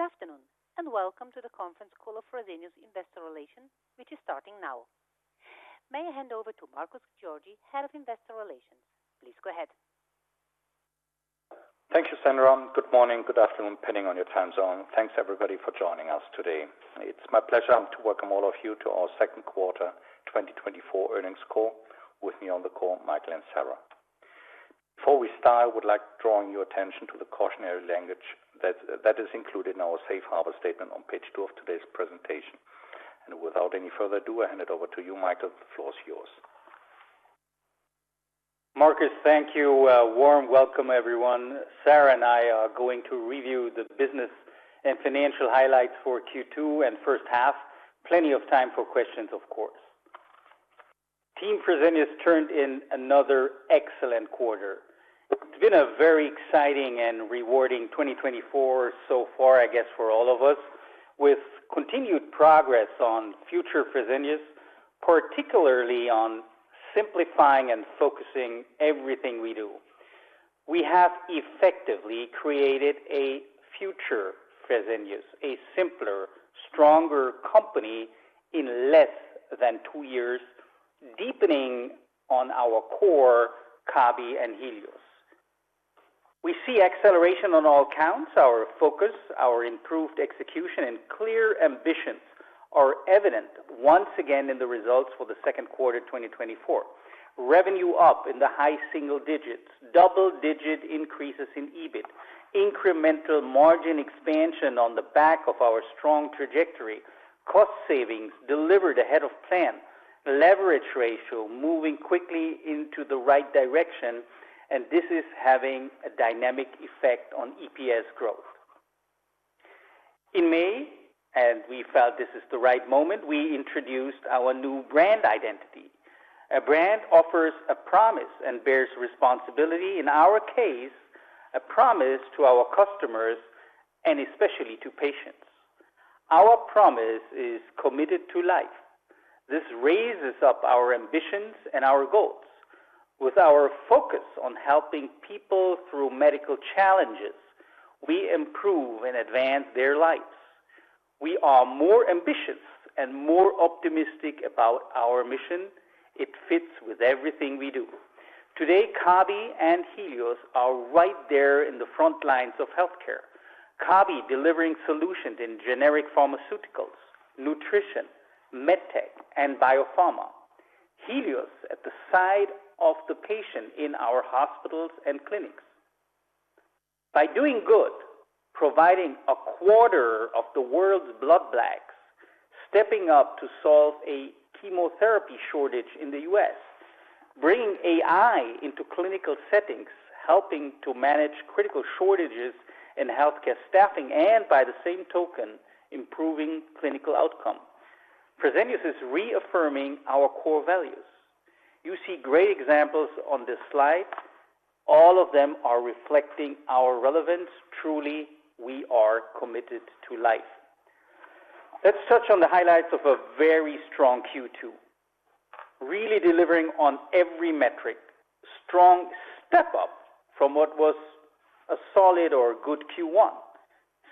Good afternoon and welcome to the conference call of Fresenius Investor Relations, which is starting now. May I hand over to Markus Georgi, Head of Investor Relations? Please go ahead. Thank you, Sandra. Good morning, good afternoon, depending on your time zone. Thanks, everybody, for joining us today. It's my pleasure to welcome all of you to our Second Quarter 2024 Earnings call. With me on the call, Michael and Sara. Before we start, I would like to draw your attention to the cautionary language that is included in our safe harbor statement on page two of today's presentation. Without any further ado, I hand it over to you, Michael. The floor is yours. Markus, thank you. Warm welcome, everyone. Sara and I are going to review the business and financial highlights for Q2 and first half. Plenty of time for questions, of course. Team Fresenius turned in another excellent quarter. It's been a very exciting and rewarding 2024 so far, I guess, for all of us, with continued progress on future Fresenius, particularly on simplifying and focusing everything we do. We have effectively created a #FutureFresenius, a simpler, stronger company in less than two years, deepening on our core, Kabi, and Helios. We see acceleration on all counts. Our focus, our improved execution, and clear ambitions are evident once again in the results for the second quarter 2024. Revenue up in the high single digits, double-digit increases in EBIT, incremental margin expansion on the back of our strong trajectory, cost savings delivered ahead of plan, leverage ratio moving quickly into the right direction, and this is having a dynamic effect on EPS growth. In May, and we felt this is the right moment, we introduced our new brand identity. A brand offers a promise and bears responsibility, in our case, a promise to our customers and especially to patients. Our promise is committed to life. This raises up our ambitions and our goals. With our focus on helping people through medical challenges, we improve and advance their lives. We are more ambitious and more optimistic about our mission. It fits with everything we do. Today, Kabi and Helios are right there in the front lines of healthcare. Kabi delivering solutions in generic pharmaceuticals, Nutrition, MedTech, and Biopharma. Helios at the side of the patient in our hospitals and clinics. By doing good, providing a quarter of the world's blood banks, stepping up to solve a chemotherapy shortage in the U.S., bringing AI into clinical settings, helping to manage critical shortages in healthcare staffing, and by the same token, improving clinical outcome. Fresenius is reaffirming our core values. You see great examples on this slide. All of them are reflecting our relevance. Truly, we are committed to life. Let's touch on the highlights of a very strong Q2, really delivering on every metric, a strong step up from what was a solid or good Q1.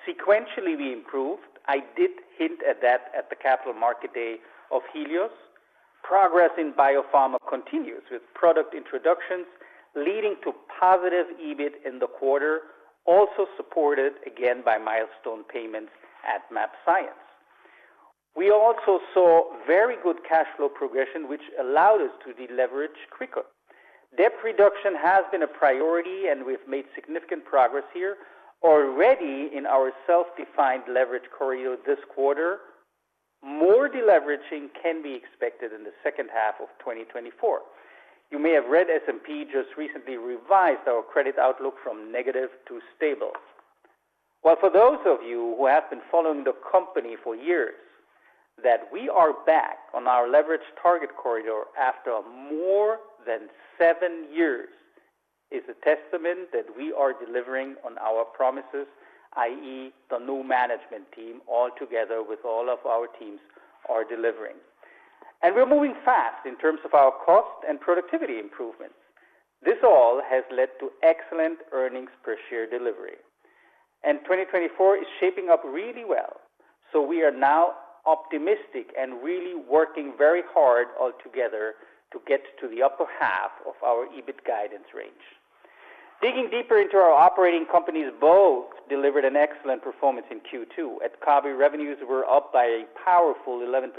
Sequentially, we improved. I did hint at that at the Capital Market Day of Helios. Progress in Biopharma continues with product introductions, leading to positive EBIT in the quarter, also supported again by milestone payments at mAbxience. We also saw very good cash flow progression, which allowed us to deleverage quicker. Debt reduction has been a priority, and we've made significant progress here already in our self-defined leverage corridor this quarter. More deleveraging can be expected in the second half of 2024. You may have read S&P just recently revised our credit outlook from negative to stable. Well, for those of you who have been following the company for years, that we are back on our leverage target corridor after more than seven years is a testament that we are delivering on our promises, i.e., the new management team altogether with all of our teams are delivering. And we're moving fast in terms of our cost and productivity improvements. This all has led to excellent earnings per share delivery. And 2024 is shaping up really well. So we are now optimistic and really working very hard altogether to get to the upper half of our EBIT guidance range. Digging deeper into our operating companies, both delivered an excellent performance in Q2. At Kabi, revenues were up by a powerful 11%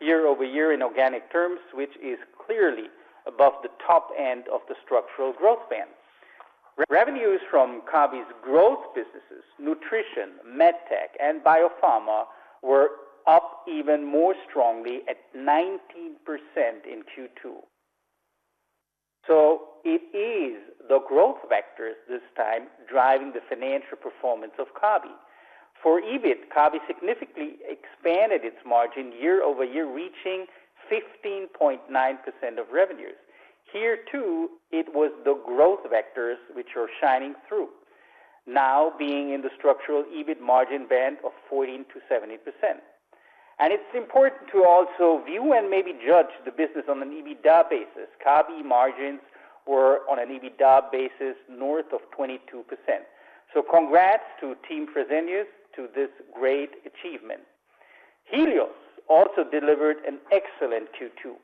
year-over-year in organic terms, which is clearly above the top end of the structural growth band. Revenues from Kabi's growth businesses, nutrition, MedTech, and Biopharma were up even more strongly at 19% in Q2. So it is the growth vectors this time driving the financial performance of Kabi. For EBIT, Kabi significantly expanded its margin year-over-year, reaching 15.9% of revenues. Here too, it was the growth vectors which are shining through, now being in the structural EBIT margin band of 14%-70%. And it's important to also view and maybe judge the business on an EBITDA basis. Kabi margins were on an EBITDA basis north of 22%. So congrats to Team Fresenius to this great achievement. Helios also delivered an excellent Q2.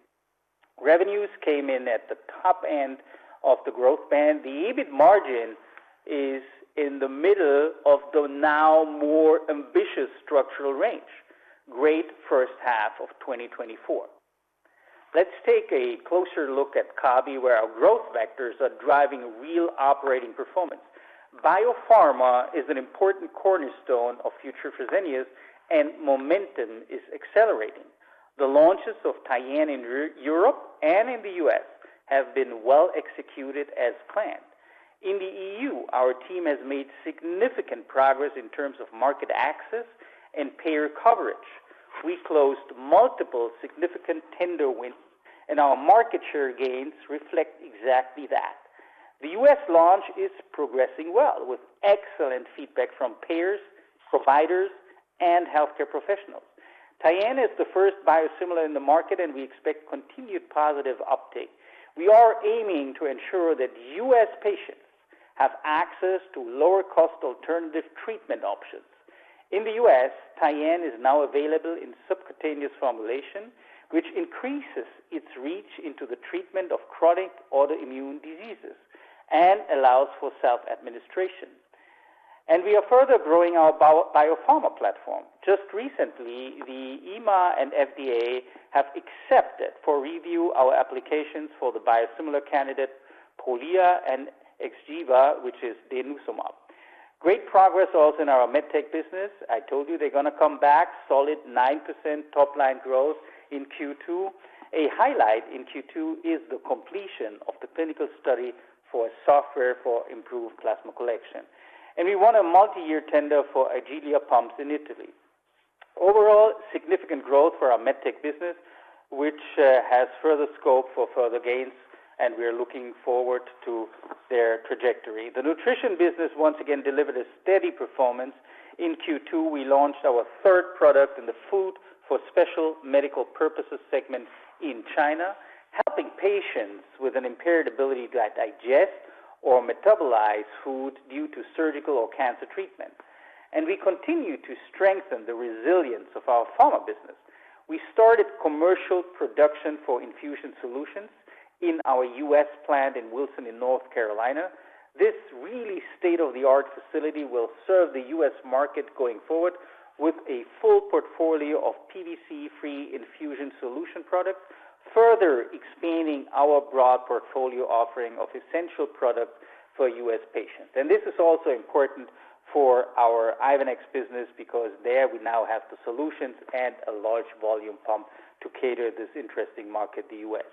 Revenues came in at the top end of the growth band. The EBIT margin is in the middle of the now more ambitious structural range. Great first half of 2024. Let's take a closer look at Kabi, where our growth vectors are driving real operating performance. Biopharma is an important cornerstone of #FutureFresenius, and momentum is accelerating. The launches of Tyenne in Europe and in the U.S. have been well executed as planned. In the E.U., our team has made significant progress in terms of market access and payer coverage. We closed multiple significant tender wins, and our market share gains reflect exactly that. The U.S. launch is progressing well with excellent feedback from payers, providers, and healthcare professionals. Tyenne is the first biosimilar in the market, and we expect continued positive uptake. We are aiming to ensure that U.S. patients have access to lower-cost alternative treatment options. In the U.S., Tyenne is now available in subcutaneous formulation, which increases its reach into the treatment of chronic autoimmune diseases and allows for self-administration. And we are further growing our Biopharma platform. Just recently, the EMA and FDA have accepted for review our applications for the biosimilar candidate Prolia and Xgeva, which is denosumab. Great progress also in our MedTech business. I told you they're going to come back, solid 9% top-line growth in Q2. A highlight in Q2 is the completion of the clinical study for software for improved plasma collection. And we won a multi-year tender for Agilia pumps in Italy. Overall, significant growth for our MedTech business, which has further scope for further gains, and we are looking forward to their trajectory. The nutrition business once again delivered a steady performance. In Q2, we launched our third product in the food for special medical purposes segment in China, helping patients with an impaired ability to digest or metabolize food due to surgical or cancer treatment. We continue to strengthen the resilience of our pharma business. We started commercial production for infusion solutions in our U.S. plant in Wilson in North Carolina. This really state-of-the-art facility will serve the U.S. market going forward with a full portfolio of PVC-free infusion solution products, further expanding our broad portfolio offering of essential products for U.S. patients. This is also important for our Ivenix business because there we now have the solutions and a large volume pump to cater this interesting market, the U.S.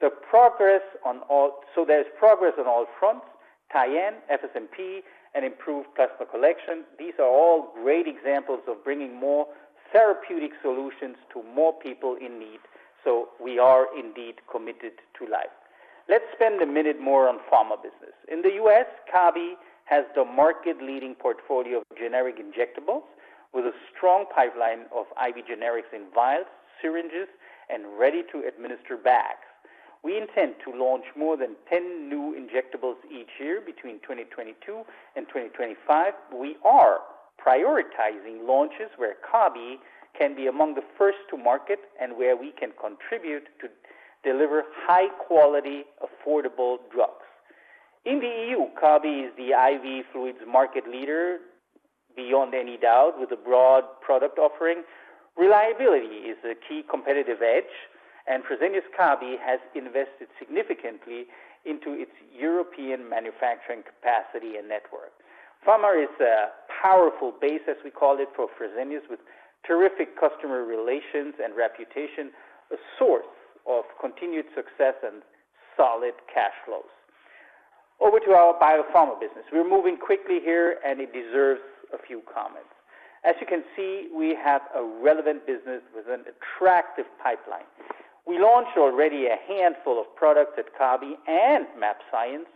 The progress on all so there's progress on all fronts. Tyenne, FSMP, and improved plasma collection, these are all great examples of bringing more therapeutic solutions to more people in need. So we are indeed committed to life. Let's spend a minute more on Pharma business. In the U.S., Kabi has the market-leading portfolio of generic injectables with a strong pipeline of IV generics in vials, syringes, and ready-to-administer bags. We intend to launch more than 10 new injectables each year between 2022 and 2025. We are prioritizing launches where Kabi can be among the first to market and where we can contribute to deliver high-quality, affordable drugs. In the E.U., Kabi is the IV fluids market leader beyond any doubt with a broad product offering. Reliability is a key competitive edge, and Fresenius Kabi has invested significantly into its European manufacturing capacity and network. Pharma is a powerful base, as we call it, for Fresenius with terrific customer relations and reputation, a source of continued success and solid cash flows. Over to our Biopharma business. We're moving quickly here, and it deserves a few comments. As you can see, we have a relevant business with an attractive pipeline. We launched already a handful of products at Kabi and mAbxience.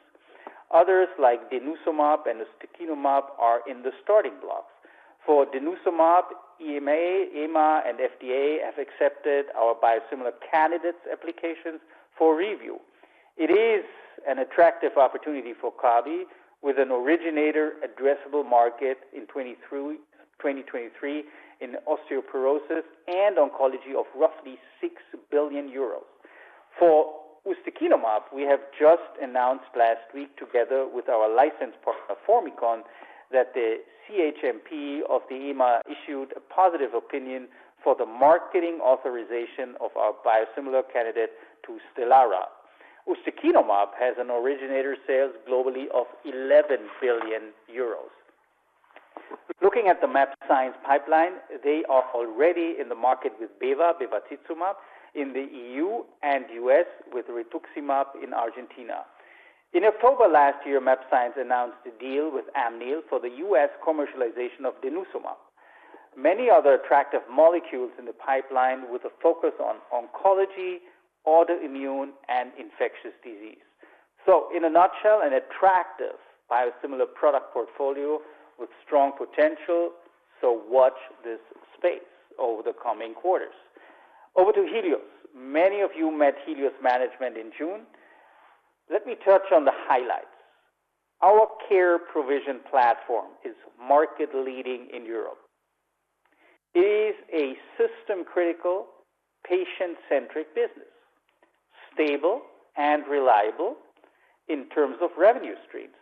Others like denosumab and ustekinumab are in the starting blocks. For denosumab, EMA, and FDA have accepted our biosimilar candidates applications for review. It is an attractive opportunity for Kabi with an originator addressable market in 2023 in osteoporosis and oncology of roughly 6 billion euros. For ustekinumab, we have just announced last week together with our licensed partner, Formycon, that the CHMP of the EMA issued a positive opinion for the marketing authorization of our biosimilar candidate to Stelara. Ustekinumab has an originator sales globally of 11 billion euros. Looking at the mAbxience pipeline, they are already in the market with beva, bevacizumab in the E.U. and U.S. with rituximab in Argentina. In October last year, mAbxience announced a deal with Amneal for the U.S. commercialization of denosumab. Many other attractive molecules in the pipeline with a focus on oncology, autoimmune, and infectious disease. So, in a nutshell, an attractive biosimilar product portfolio with strong potential. So watch this space over the coming quarters. Over to Helios. Many of you met Helios management in June. Let me touch on the highlights. Our care provision platform is market-leading in Europe. It is a system-critical, patient-centric business, stable and reliable in terms of revenue streams,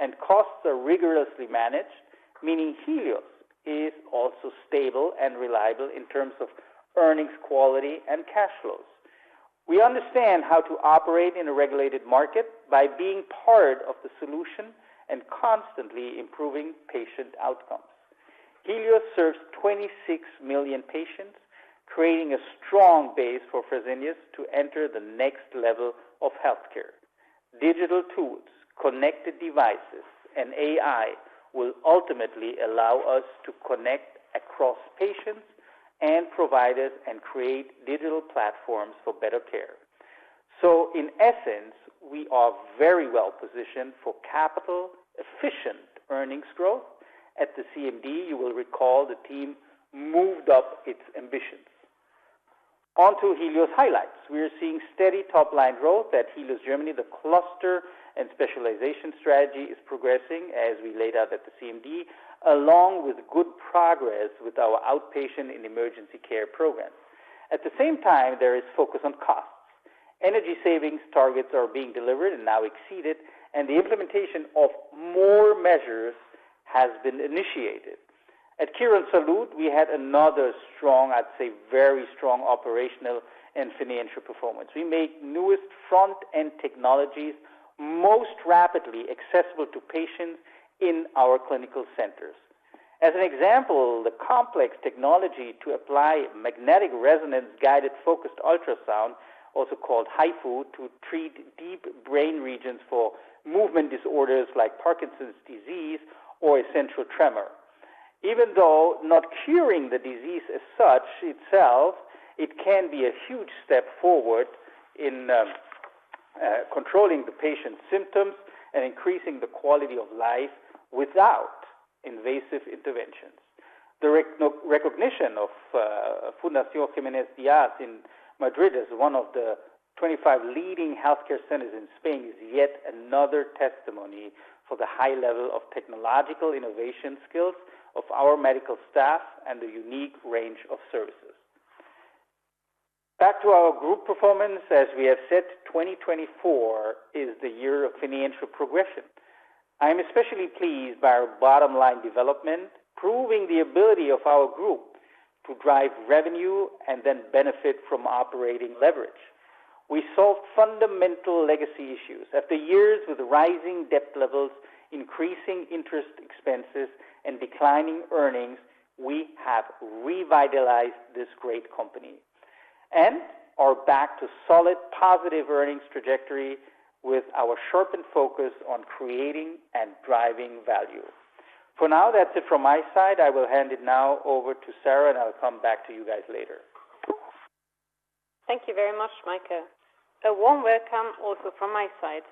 and costs are rigorously managed, meaning Helios is also stable and reliable in terms of earnings quality and cash flows. We understand how to operate in a regulated market by being part of the solution and constantly improving patient outcomes. Helios serves 26 million patients, creating a strong base for Fresenius to enter the next level of healthcare. Digital tools, connected devices, and AI will ultimately allow us to connect across patients and providers and create digital platforms for better care. So, in essence, we are very well positioned for capital-efficient earnings growth. At the CMD, you will recall the team moved up its ambitions. On to Helios highlights. We are seeing steady top-line growth at Helios Germany. The cluster and specialization strategy is progressing, as we laid out at the CMD, along with good progress with our outpatient and emergency care program. At the same time, there is focus on costs. Energy savings targets are being delivered and now exceeded, and the implementation of more measures has been initiated. At Quirónsalud, we had another strong, I'd say very strong operational and financial performance. We made newest front-end technologies most rapidly accessible to patients in our clinical centers. As an example, the complex technology to apply magnetic resonance-guided focused ultrasound, also called HIFU, to treat deep brain regions for movement disorders like Parkinson's disease or essential tremor. Even though not curing the disease as such itself, it can be a huge step forward in controlling the patient's symptoms and increasing the quality of life without invasive interventions. The recognition of Fundación Jiménez Díaz in Madrid as one of the 25 leading healthcare centers in Spain is yet another testimony for the high level of technological innovation skills of our medical staff and the unique range of services. Back to our group performance. As we have said, 2024 is the year of financial progression. I am especially pleased by our bottom-line development, proving the ability of our group to drive revenue and then benefit from operating leverage. We solved fundamental legacy issues. After years with rising debt levels, increasing interest expenses, and declining earnings, we have revitalized this great company and are back to solid positive earnings trajectory with our sharpened focus on creating and driving value. For now, that's it from my side. I will hand it now over to Sara, and I'll come back to you guys later. Thank you very much, Michael. A warm welcome also from my side.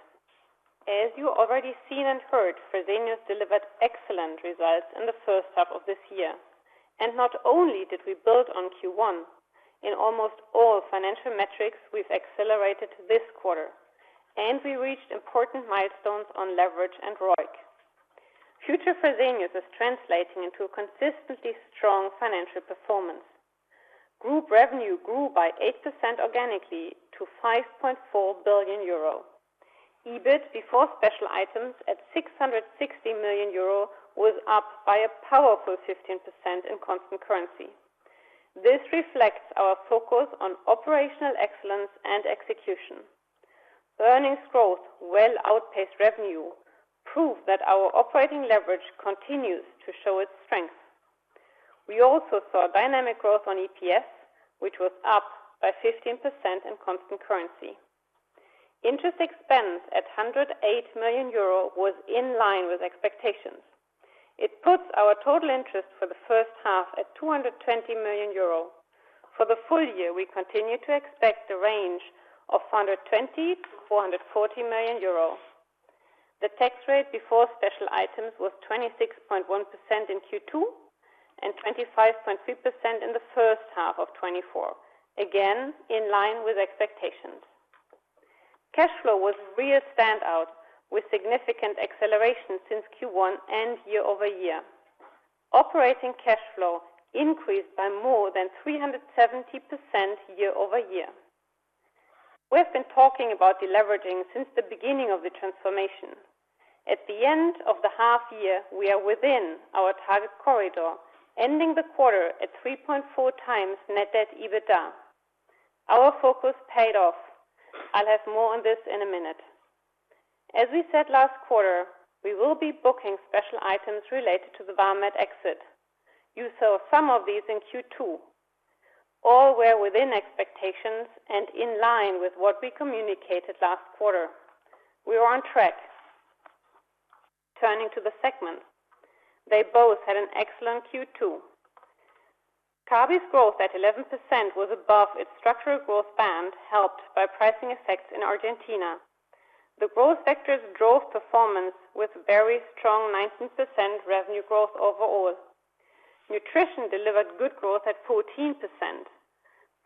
As you already seen and heard, Fresenius delivered excellent results in the first half of this year. And not only did we build on Q1, in almost all financial metrics, we've accelerated this quarter, and we reached important milestones on leverage and ROIC. Future Fresenius is translating into a consistently strong financial performance. Group revenue grew by 8% organically to 5.4 billion euro. EBIT before special items at 660 million euro was up by a powerful 15% in constant currency. This reflects our focus on operational excellence and execution. Earnings growth well outpaced revenue, proved that our operating leverage continues to show its strength. We also saw dynamic growth on EPS, which was up by 15% in constant currency. Interest expense at 108 million euro was in line with expectations. It puts our total interest for the first half at 220 million euro. For the full year, we continue to expect the range of 420 million-440 million euro. The tax rate before special items was 26.1% in Q2 and 25.3% in the first half of 2024, again in line with expectations. Cash flow was a real standout with significant acceleration since Q1 and year-over-year. Operating cash flow increased by more than 370% year-over-year. We have been talking about the leveraging since the beginning of the transformation. At the end of the half year, we are within our target corridor, ending the quarter at 3.4x net debt EBITDA. Our focus paid off. I'll have more on this in a minute. As we said last quarter, we will be booking special items related to the Vamed exit. You saw some of these in Q2. All were within expectations and in line with what we communicated last quarter. We are on track. Turning to the segments, they both had an excellent Q2. Kabi's growth at 11% was above its structural growth band, helped by pricing effects in Argentina. The growth vectors drove performance with very strong 19% revenue growth overall. Nutrition delivered good growth at 14%.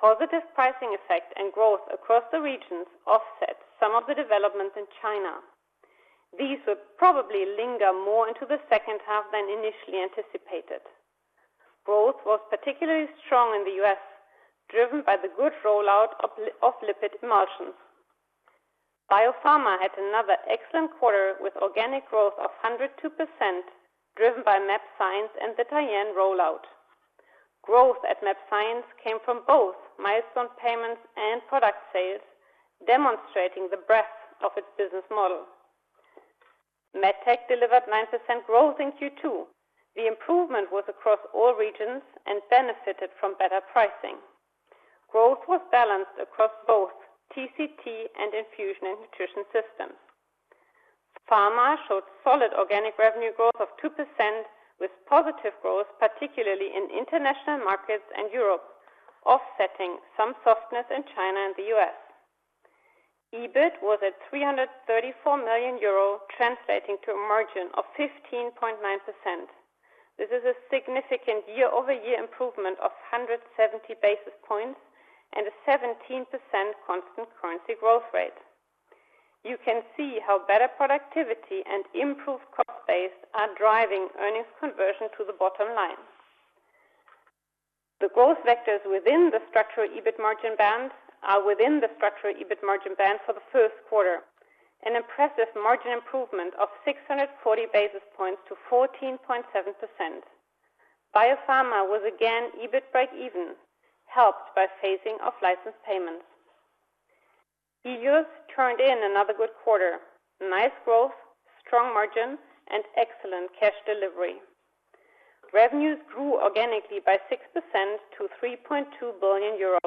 Positive pricing effect and growth across the regions offset some of the developments in China. These would probably linger more into the second half than initially anticipated. Growth was particularly strong in the U.S., driven by the good rollout of lipid emulsions. Biopharma had another excellent quarter with organic growth of 102%, driven by mAbxience and the Tyenne rollout. Growth at mAbxience came from both milestone payments and product sales, demonstrating the breadth of its business model. MedTech delivered 9% growth in Q2. The improvement was across all regions and benefited from better pricing. Growth was balanced across both TCT and infusion and nutrition systems. Pharma showed solid organic revenue growth of 2% with positive growth, particularly in international markets and Europe, offsetting some softness in China and the U.S. EBIT was at 334 million euro, translating to a margin of 15.9%. This is a significant year-over-year improvement of 170 basis points and a 17% constant currency growth rate. You can see how better productivity and improved cost base are driving earnings conversion to the bottom line. The growth vectors within the structural EBIT margin band are within the structural EBIT margin band for the first quarter, an impressive margin improvement of 640 basis points to 14.7%. Biopharma was again EBIT break-even, helped by phasing of licensed payments. Helios turned in another good quarter. Nice growth, strong margin, and excellent cash delivery. Revenues grew organically by 6% to 3.2 billion euro.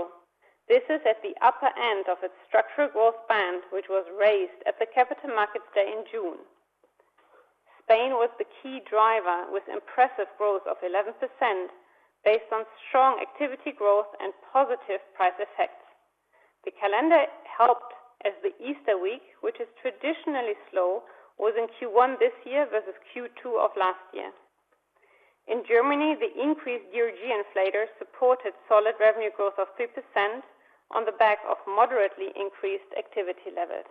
This is at the upper end of its structural growth band, which was raised at the Capital Markets Day in June. Spain was the key driver with impressive growth of 11% based on strong activity growth and positive price effects. The calendar helped as the Easter week, which is traditionally slow, was in Q1 this year versus Q2 of last year. In Germany, the increased DRG inflator supported solid revenue growth of 3% on the back of moderately increased activity levels.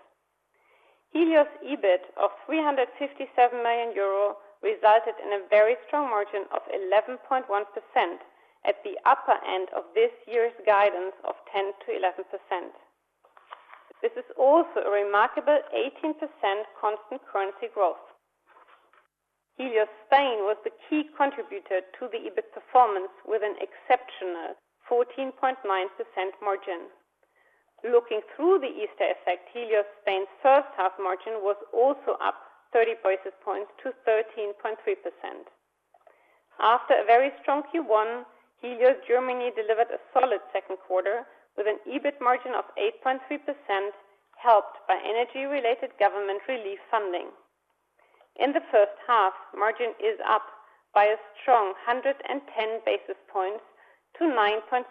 Helios EBIT of 357 million euro resulted in a very strong margin of 11.1% at the upper end of this year's guidance of 10%-11%. This is also a remarkable 18% constant currency growth. Helios Spain was the key contributor to the EBIT performance with an exceptional 14.9% margin. Looking through the Easter effect, Helios Spain's first half margin was also up 30 basis points to 13.3%. After a very strong Q1, Helios Germany delivered a solid second quarter with an EBIT margin of 8.3%, helped by energy-related government relief funding. In the first half, margin is up by a strong 110 basis points to 9.6%.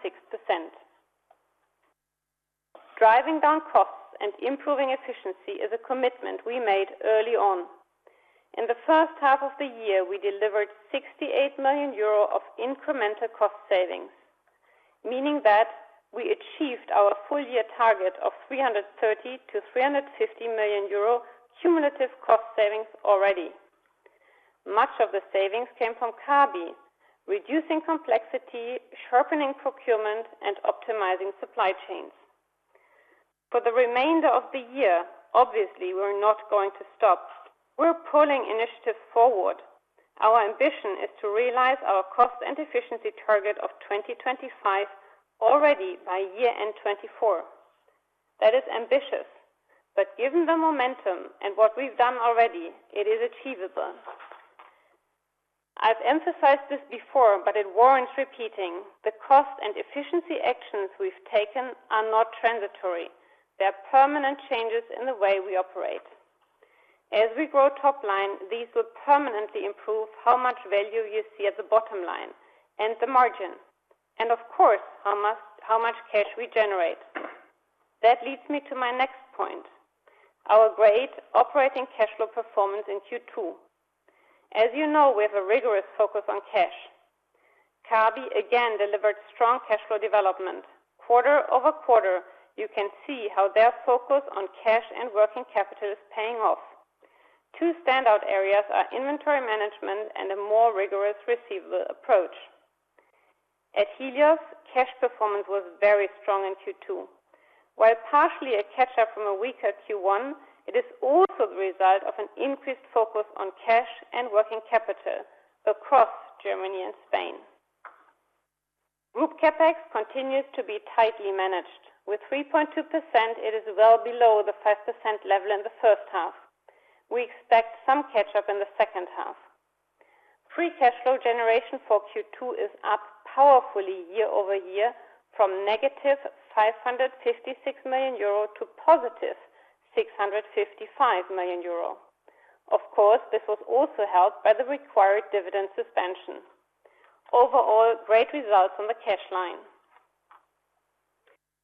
Driving down costs and improving efficiency is a commitment we made early on. In the first half of the year, we delivered 68 million euro of incremental cost savings, meaning that we achieved our full year target of 330 million-350 million euro cumulative cost savings already. Much of the savings came from Kabi, reducing complexity, sharpening procurement, and optimizing supply chains. For the remainder of the year, obviously, we're not going to stop. We're pulling initiatives forward. Our ambition is to realize our cost and efficiency target of 2025 already by year-end 2024. That is ambitious, but given the momentum and what we've done already, it is achievable. I've emphasized this before, but it warrants repeating. The cost and efficiency actions we've taken are not transitory. They're permanent changes in the way we operate. As we grow top-line, these will permanently improve how much value you see at the bottom line and the margin, and of course, how much cash we generate. That leads me to my next point: our great operating cash flow performance in Q2. As you know, we have a rigorous focus on cash. Kabi again delivered strong cash flow development. quarter-over-quarter, you can see how their focus on cash and working capital is paying off. Two standout areas are inventory management and a more rigorous receivable approach. At Helios, cash performance was very strong in Q2. While partially a catch-up from a weaker Q1, it is also the result of an increased focus on cash and working capital across Germany and Spain. Group CapEx continues to be tightly managed. With 3.2%, it is well below the 5% level in the first half. We expect some catch-up in the second half. Free cash flow generation for Q2 is up powerfully year-over-year from negative 556 million euro to positive 655 million euro. Of course, this was also helped by the required dividend suspension. Overall, great results on the cash line.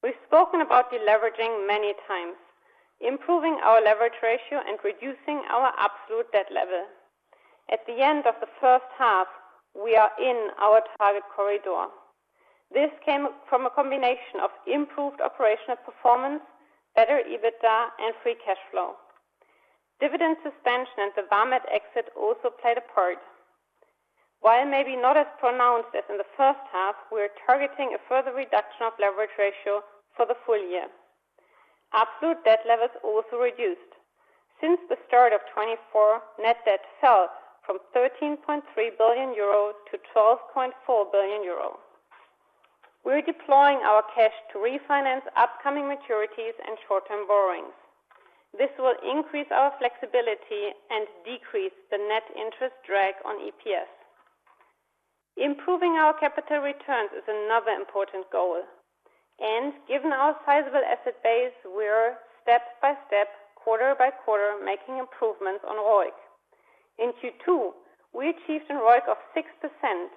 We've spoken about the leverage many times, improving our leverage ratio and reducing our absolute debt level. At the end of the first half, we are in our target corridor. This came from a combination of improved operational performance, better EBITDA, and free cash flow. Dividend suspension and the Vamed exit also played a part. While maybe not as pronounced as in the first half, we're targeting a further reduction of leverage ratio for the full year. Absolute debt levels also reduced since the start of 2024. Net debt fell from 13.3 billion euro to 12.4 billion euro. We're deploying our cash to refinance upcoming maturities and short-term borrowings. This will increase our flexibility and decrease the net interest drag on EPS. Improving our capital returns is another important goal. Given our sizable asset base, we're step by step, quarter by quarter, making improvements on ROIC. In Q2, we achieved a ROIC of 6%,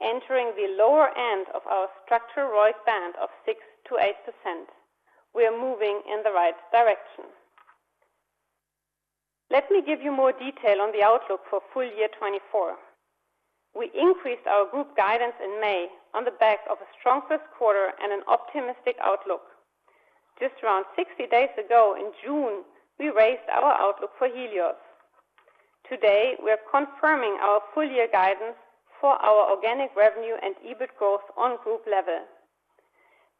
entering the lower end of our structural ROIC band of 6%-8%. We are moving in the right direction. Let me give you more detail on the outlook for full year 2024. We increased our group guidance in May on the back of a strong first quarter and an optimistic outlook. Just around 60 days ago, in June, we raised our outlook for Helios. Today, we're confirming our full year guidance for our organic revenue and EBIT growth on group level.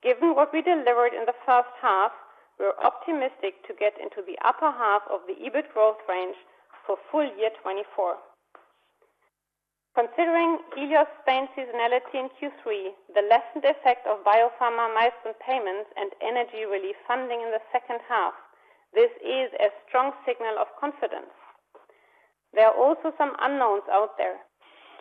Given what we delivered in the first half, we're optimistic to get into the upper half of the EBIT growth range for full year 2024. Considering Helios Spain's seasonality in Q3, the lessened effect of Biopharma milestone payments and energy relief funding in the second half, this is a strong signal of confidence. There are also some unknowns out there.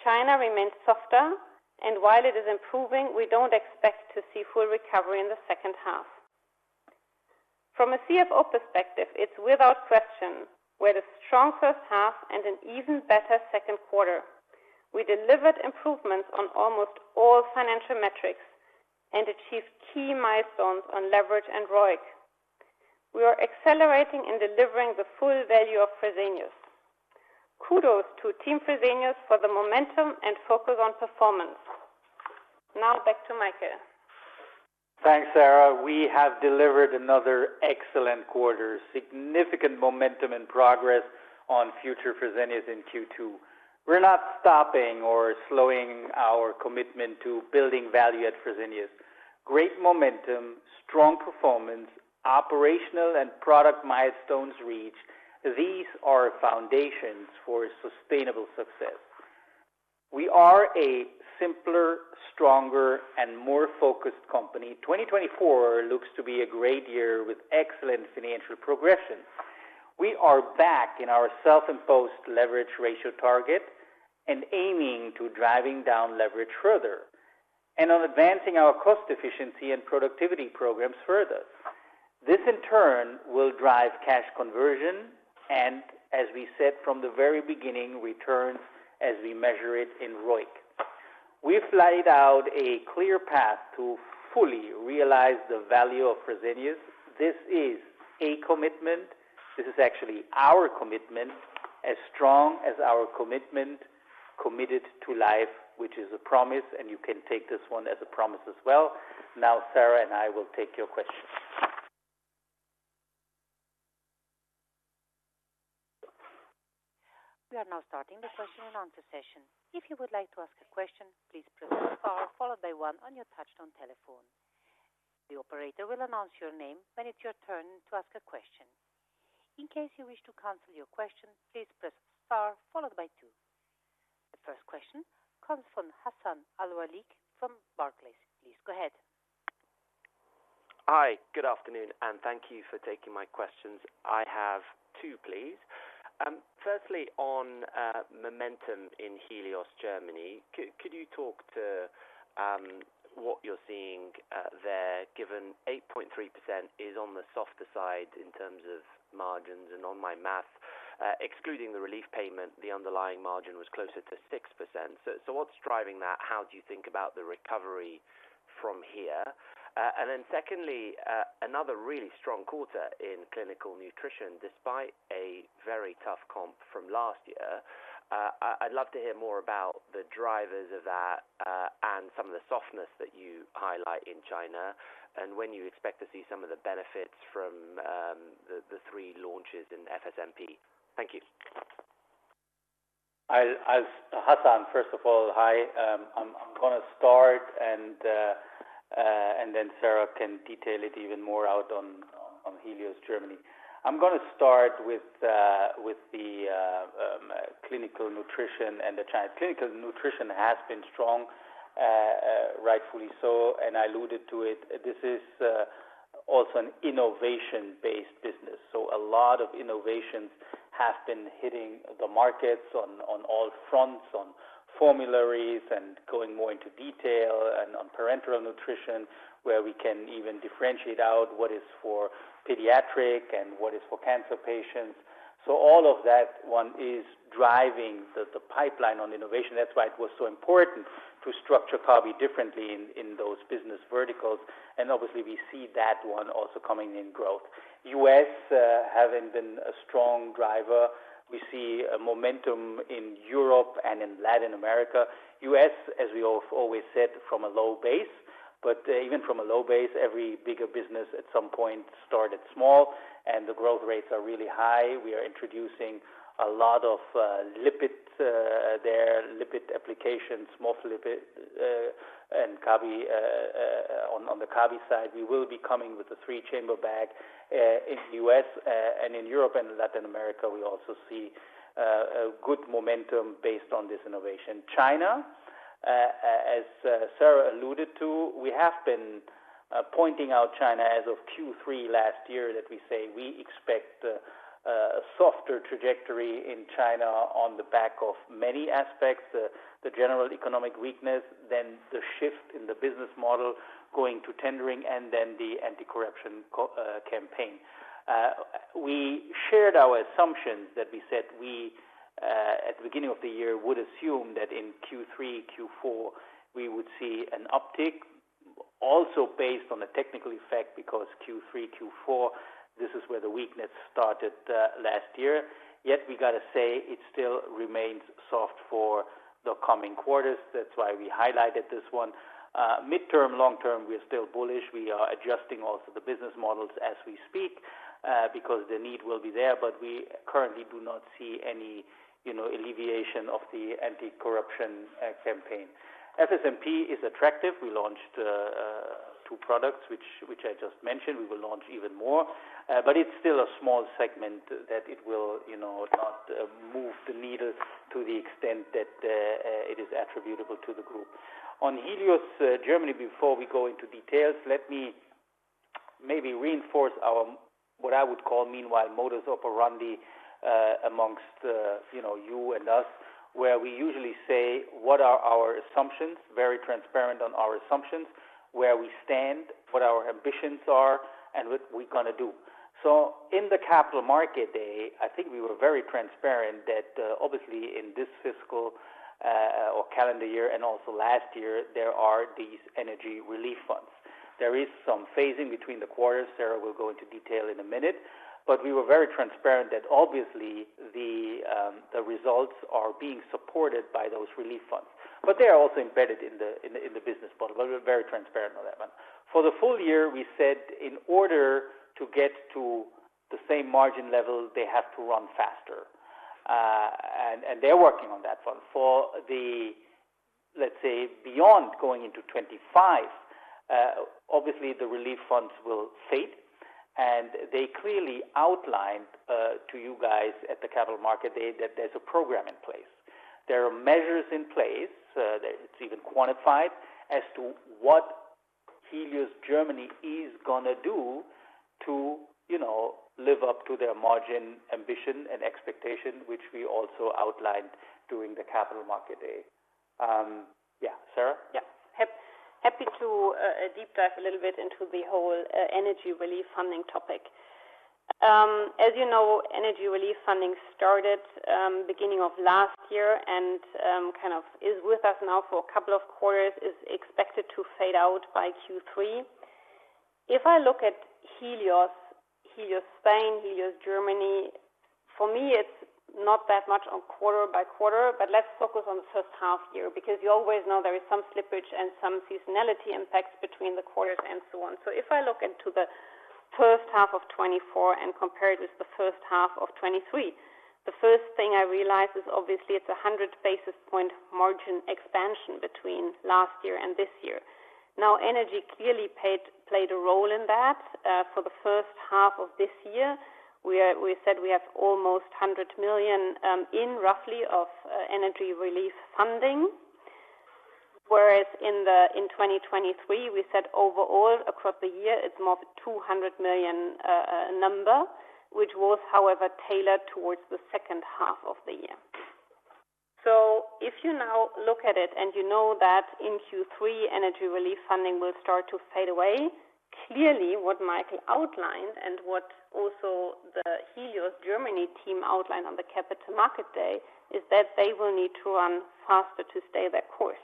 China remains softer, and while it is improving, we don't expect to see full recovery in the second half. From a CFO perspective, it's without question we had a strong first half and an even better second quarter. We delivered improvements on almost all financial metrics and achieved key milestones on leverage and ROIC. We are accelerating and delivering the full value of Fresenius. Kudos to Team Fresenius for the momentum and focus on performance. Now, back to Michael. Thanks, Sara. We have delivered another excellent quarter, significant momentum and progress on future Fresenius in Q2. We're not stopping or slowing our commitment to building value at Fresenius. Great momentum, strong performance, operational and product milestones reached. These are foundations for sustainable success. We are a simpler, stronger, and more focused company. 2024 looks to be a great year with excellent financial progression. We are back in our self-imposed leverage ratio target and aiming to drive down leverage further and on advancing our cost efficiency and productivity programs further. This, in turn, will drive cash conversion and, as we said from the very beginning, returns as we measure it in ROIC. We've laid out a clear path to fully realize the value of Fresenius. This is a commitment. This is actually our commitment, as strong as our commitment committed to life, which is a promise, and you can take this one as a promise as well. Now, Sara and I will take your question. We are now starting the question and answer session. If you would like to ask a question, please press star followed by one on your touch-tone telephone. The operator will announce your name when it's your turn to ask a question. In case you wish to cancel your question, please press star followed by two. The first question comes from Hassan Al-Wakeel from Barclays. Please go ahead. Hi, good afternoon, and thank you for taking my questions. I have two, please. Firstly, on momentum in Helios Germany, could you talk to what you're seeing there, given 8.3% is on the softer side in terms of margins and on my math, excluding the relief payment, the underlying margin was closer to 6%. So what's driving that? How do you think about the recovery from here? And then secondly, another really strong quarter in clinical nutrition despite a very tough comp from last year. I'd love to hear more about the drivers of that and some of the softness that you highlight in China and when you expect to see some of the benefits from the three launches in FSMP. Thank you. Hassan, first of all, hi. I'm going to start, and then Sara can detail it even more out on Helios Germany. I'm going to start with the clinical nutrition and the China. Clinical nutrition has been strong, rightfully so, and I alluded to it. This is also an innovation-based business, so a lot of innovations have been hitting the markets on all fronts, on formularies and going more into detail and on parenteral nutrition, where we can even differentiate out what is for pediatric and what is for cancer patients. So all of that one is driving the pipeline on innovation. That's why it was so important to structure Kabi differently in those business verticals. And obviously, we see that one also coming in growth. U.S. having been a strong driver, we see momentum in Europe and in Latin America. U.S., as we always said, from a low base, but even from a low base, every bigger business at some point started small, and the growth rates are really high. We are introducing a lot of lipid there, lipid applications, SMOFlipid, and Kabi on the Kabi side. We will be coming with the three chamber bag in U.S. and in Europe and Latin America. We also see good momentum based on this innovation. China, as Sara alluded to, we have been pointing out China as of Q3 last year that we say we expect a softer trajectory in China on the back of many aspects, the general economic weakness, then the shift in the business model going to tendering, and then the anti-corruption campaign. We shared our assumptions that we said we at the beginning of the year would assume that in Q3, Q4, we would see an uptick, also based on the technical effect because Q3, Q4, this is where the weakness started last year. Yet we got to say it still remains soft for the coming quarters. That's why we highlighted this one. Midterm, long-term, we're still bullish. We are adjusting also the business models as we speak because the need will be there, but we currently do not see any alleviation of the anti-corruption campaign. FSMP is attractive. We launched two products, which I just mentioned. We will launch even more, but it's still a small segment that it will not move the needle to the extent that it is attributable to the group. On Helios Germany, before we go into details, let me maybe reinforce our what I would call meanwhile modus operandi amongst you and us, where we usually say what are our assumptions, very transparent on our assumptions, where we stand, what our ambitions are, and what we're going to do. So in the Capital Market Day, I think we were very transparent that obviously in this fiscal or calendar year and also last year, there are these energy relief funds. There is some phasing between the quarters. Sara will go into detail in a minute, but we were very transparent that obviously the results are being supported by those relief funds, but they are also embedded in the business model. We're very transparent on that one. For the full year, we said in order to get to the same margin level, they have to run faster, and they're working on that one. For the, let's say, beyond going into 2025, obviously the relief funds will fade, and they clearly outlined to you guys at the Capital Markets Day that there's a program in place. There are measures in place. It's even quantified as to what Helios Germany is going to do to live up to their margin ambition and expectation, which we also outlined during the Capital Market Day. Yeah, Sara? Yeah. Happy to deep dive a little bit into the whole energy relief funding topic. As you know, energy relief funding started beginning of last year and kind of is with us now for a couple of quarters, is expected to fade out by Q3. If I look at Helios Spain, Helios Germany, for me, it's not that much on quarter by quarter, but let's focus on the first half year because you always know there is some slippage and some seasonality impacts between the quarters and so on. So if I look into the first half of 2024 and compare it with the first half of 2023, the first thing I realize is obviously it's a 100 basis point margin expansion between last year and this year. Now, energy clearly played a role in that. For the first half of this year, we said we have almost 100 million in roughly of energy relief funding, whereas in 2023, we said overall across the year, it's more of a 200 million number, which was, however, tailored towards the second half of the year. So if you now look at it and you know that in Q3, energy relief funding will start to fade away, clearly what Michael outlined and what also the Helios Germany team outlined on the Capital Market Day is that they will need to run faster to stay their course.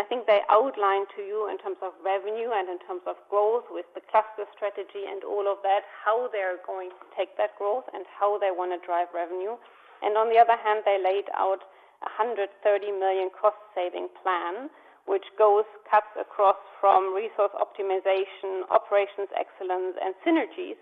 I think they outlined to you in terms of revenue and in terms of growth with the cluster strategy and all of that, how they're going to take that growth and how they want to drive revenue. And on the other hand, they laid out a 130 million cost-saving plan, which cuts across from resource optimization, operations excellence, and synergies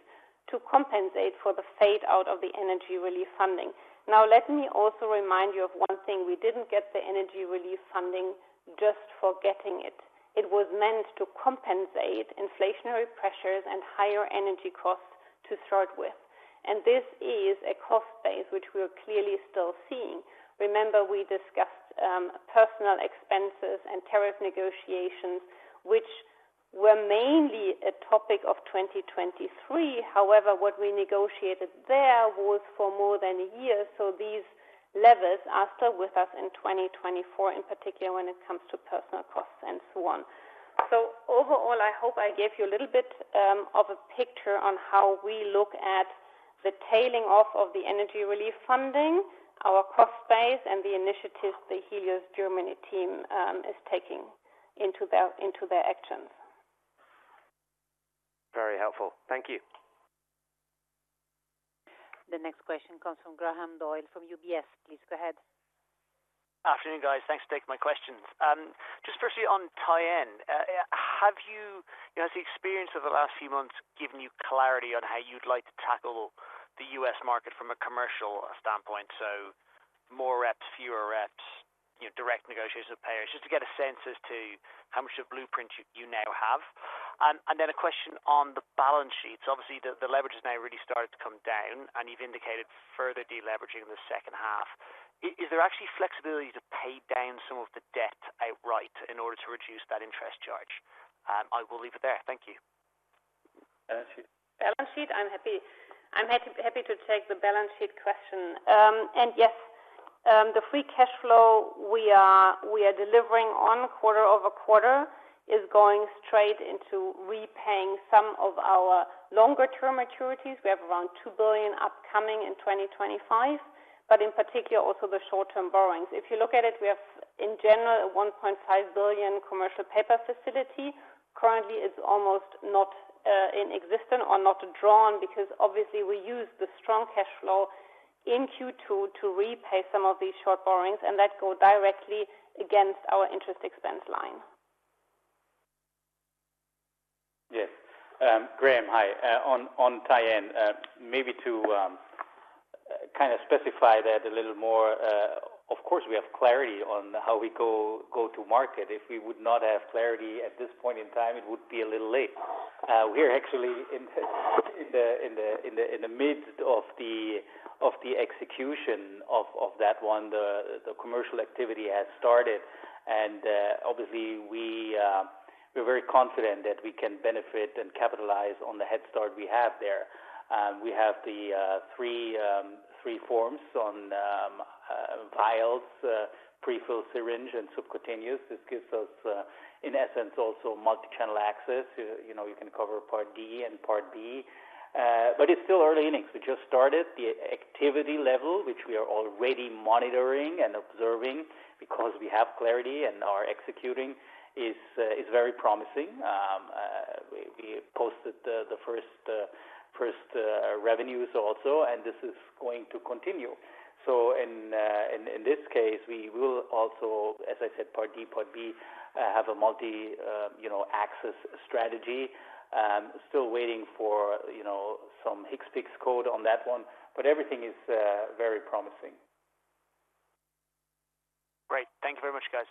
to compensate for the fade out of the energy relief funding. Now, let me also remind you of one thing. We didn't get the energy relief funding just for getting it. It was meant to compensate inflationary pressures and higher energy costs to start with. And this is a cost base, which we are clearly still seeing. Remember, we discussed personnel expenses and tariff negotiations, which were mainly a topic of 2023. However, what we negotiated there was for more than a year. So these levers are still with us in 2024, in particular when it comes to personal costs and so on. So overall, I hope I gave you a little bit of a picture on how we look at the tailing off of the energy relief funding, our cost base, and the initiatives the Helios Germany team is taking into their actions. Very helpful. Thank you. The next question comes from Graham Doyle from UBS. Please go ahead. Afternoon, guys. Thanks for taking my questions. Just firstly, on Tyenne, has the experience of the last few months given you clarity on how you'd like to tackle the U.S. market from a commercial standpoint? So more reps, fewer reps, direct negotiations with payers, just to get a sense as to how much of a blueprint you now have. And then a question on the balance sheets. Obviously, the leverage has now really started to come down, and you've indicated further deleveraging in the second half. Is there actually flexibility to pay down some of the debt outright in order to reduce that interest charge? I will leave it there. Thank you. Balance sheet. Balance sheet. I'm happy to take the balance sheet question. And yes, the free cash flow we are delivering on quarter-over-quarter is going straight into repaying some of our longer-term maturities. We have around 2 billion upcoming in 2025, but in particular, also the short-term borrowings. If you look at it, we have, in general, a 1.5 billion commercial paper facility. Currently, it's almost not in existence or not drawn because obviously we use the strong cash flow in Q2 to repay some of these short borrowings, and that goes directly against our interest expense line. Yes. Graham, hi. On Tyenne, maybe to kind of specify that a little more, of course, we have clarity on how we go to market. If we would not have clarity at this point in time, it would be a little late. We're actually in the midst of the execution of that one. The commercial activity has started, and obviously, we're very confident that we can benefit and capitalize on the head start we have there. We have the three forms on vials, prefilled syringe, and subcutaneous. This gives us, in essence, also multi-channel access. You can cover Part D and Part B. But it's still early innings. We just started. The activity level, which we are already monitoring and observing because we have clarity and are executing, is very promising. We posted the first revenues also, and this is going to continue. So in this case, we will also, as I said, Part D, Part B, have a multi-access strategy. Still waiting for some HCPCS code on that one, but everything is very promising. Great. Thank you very much, guys.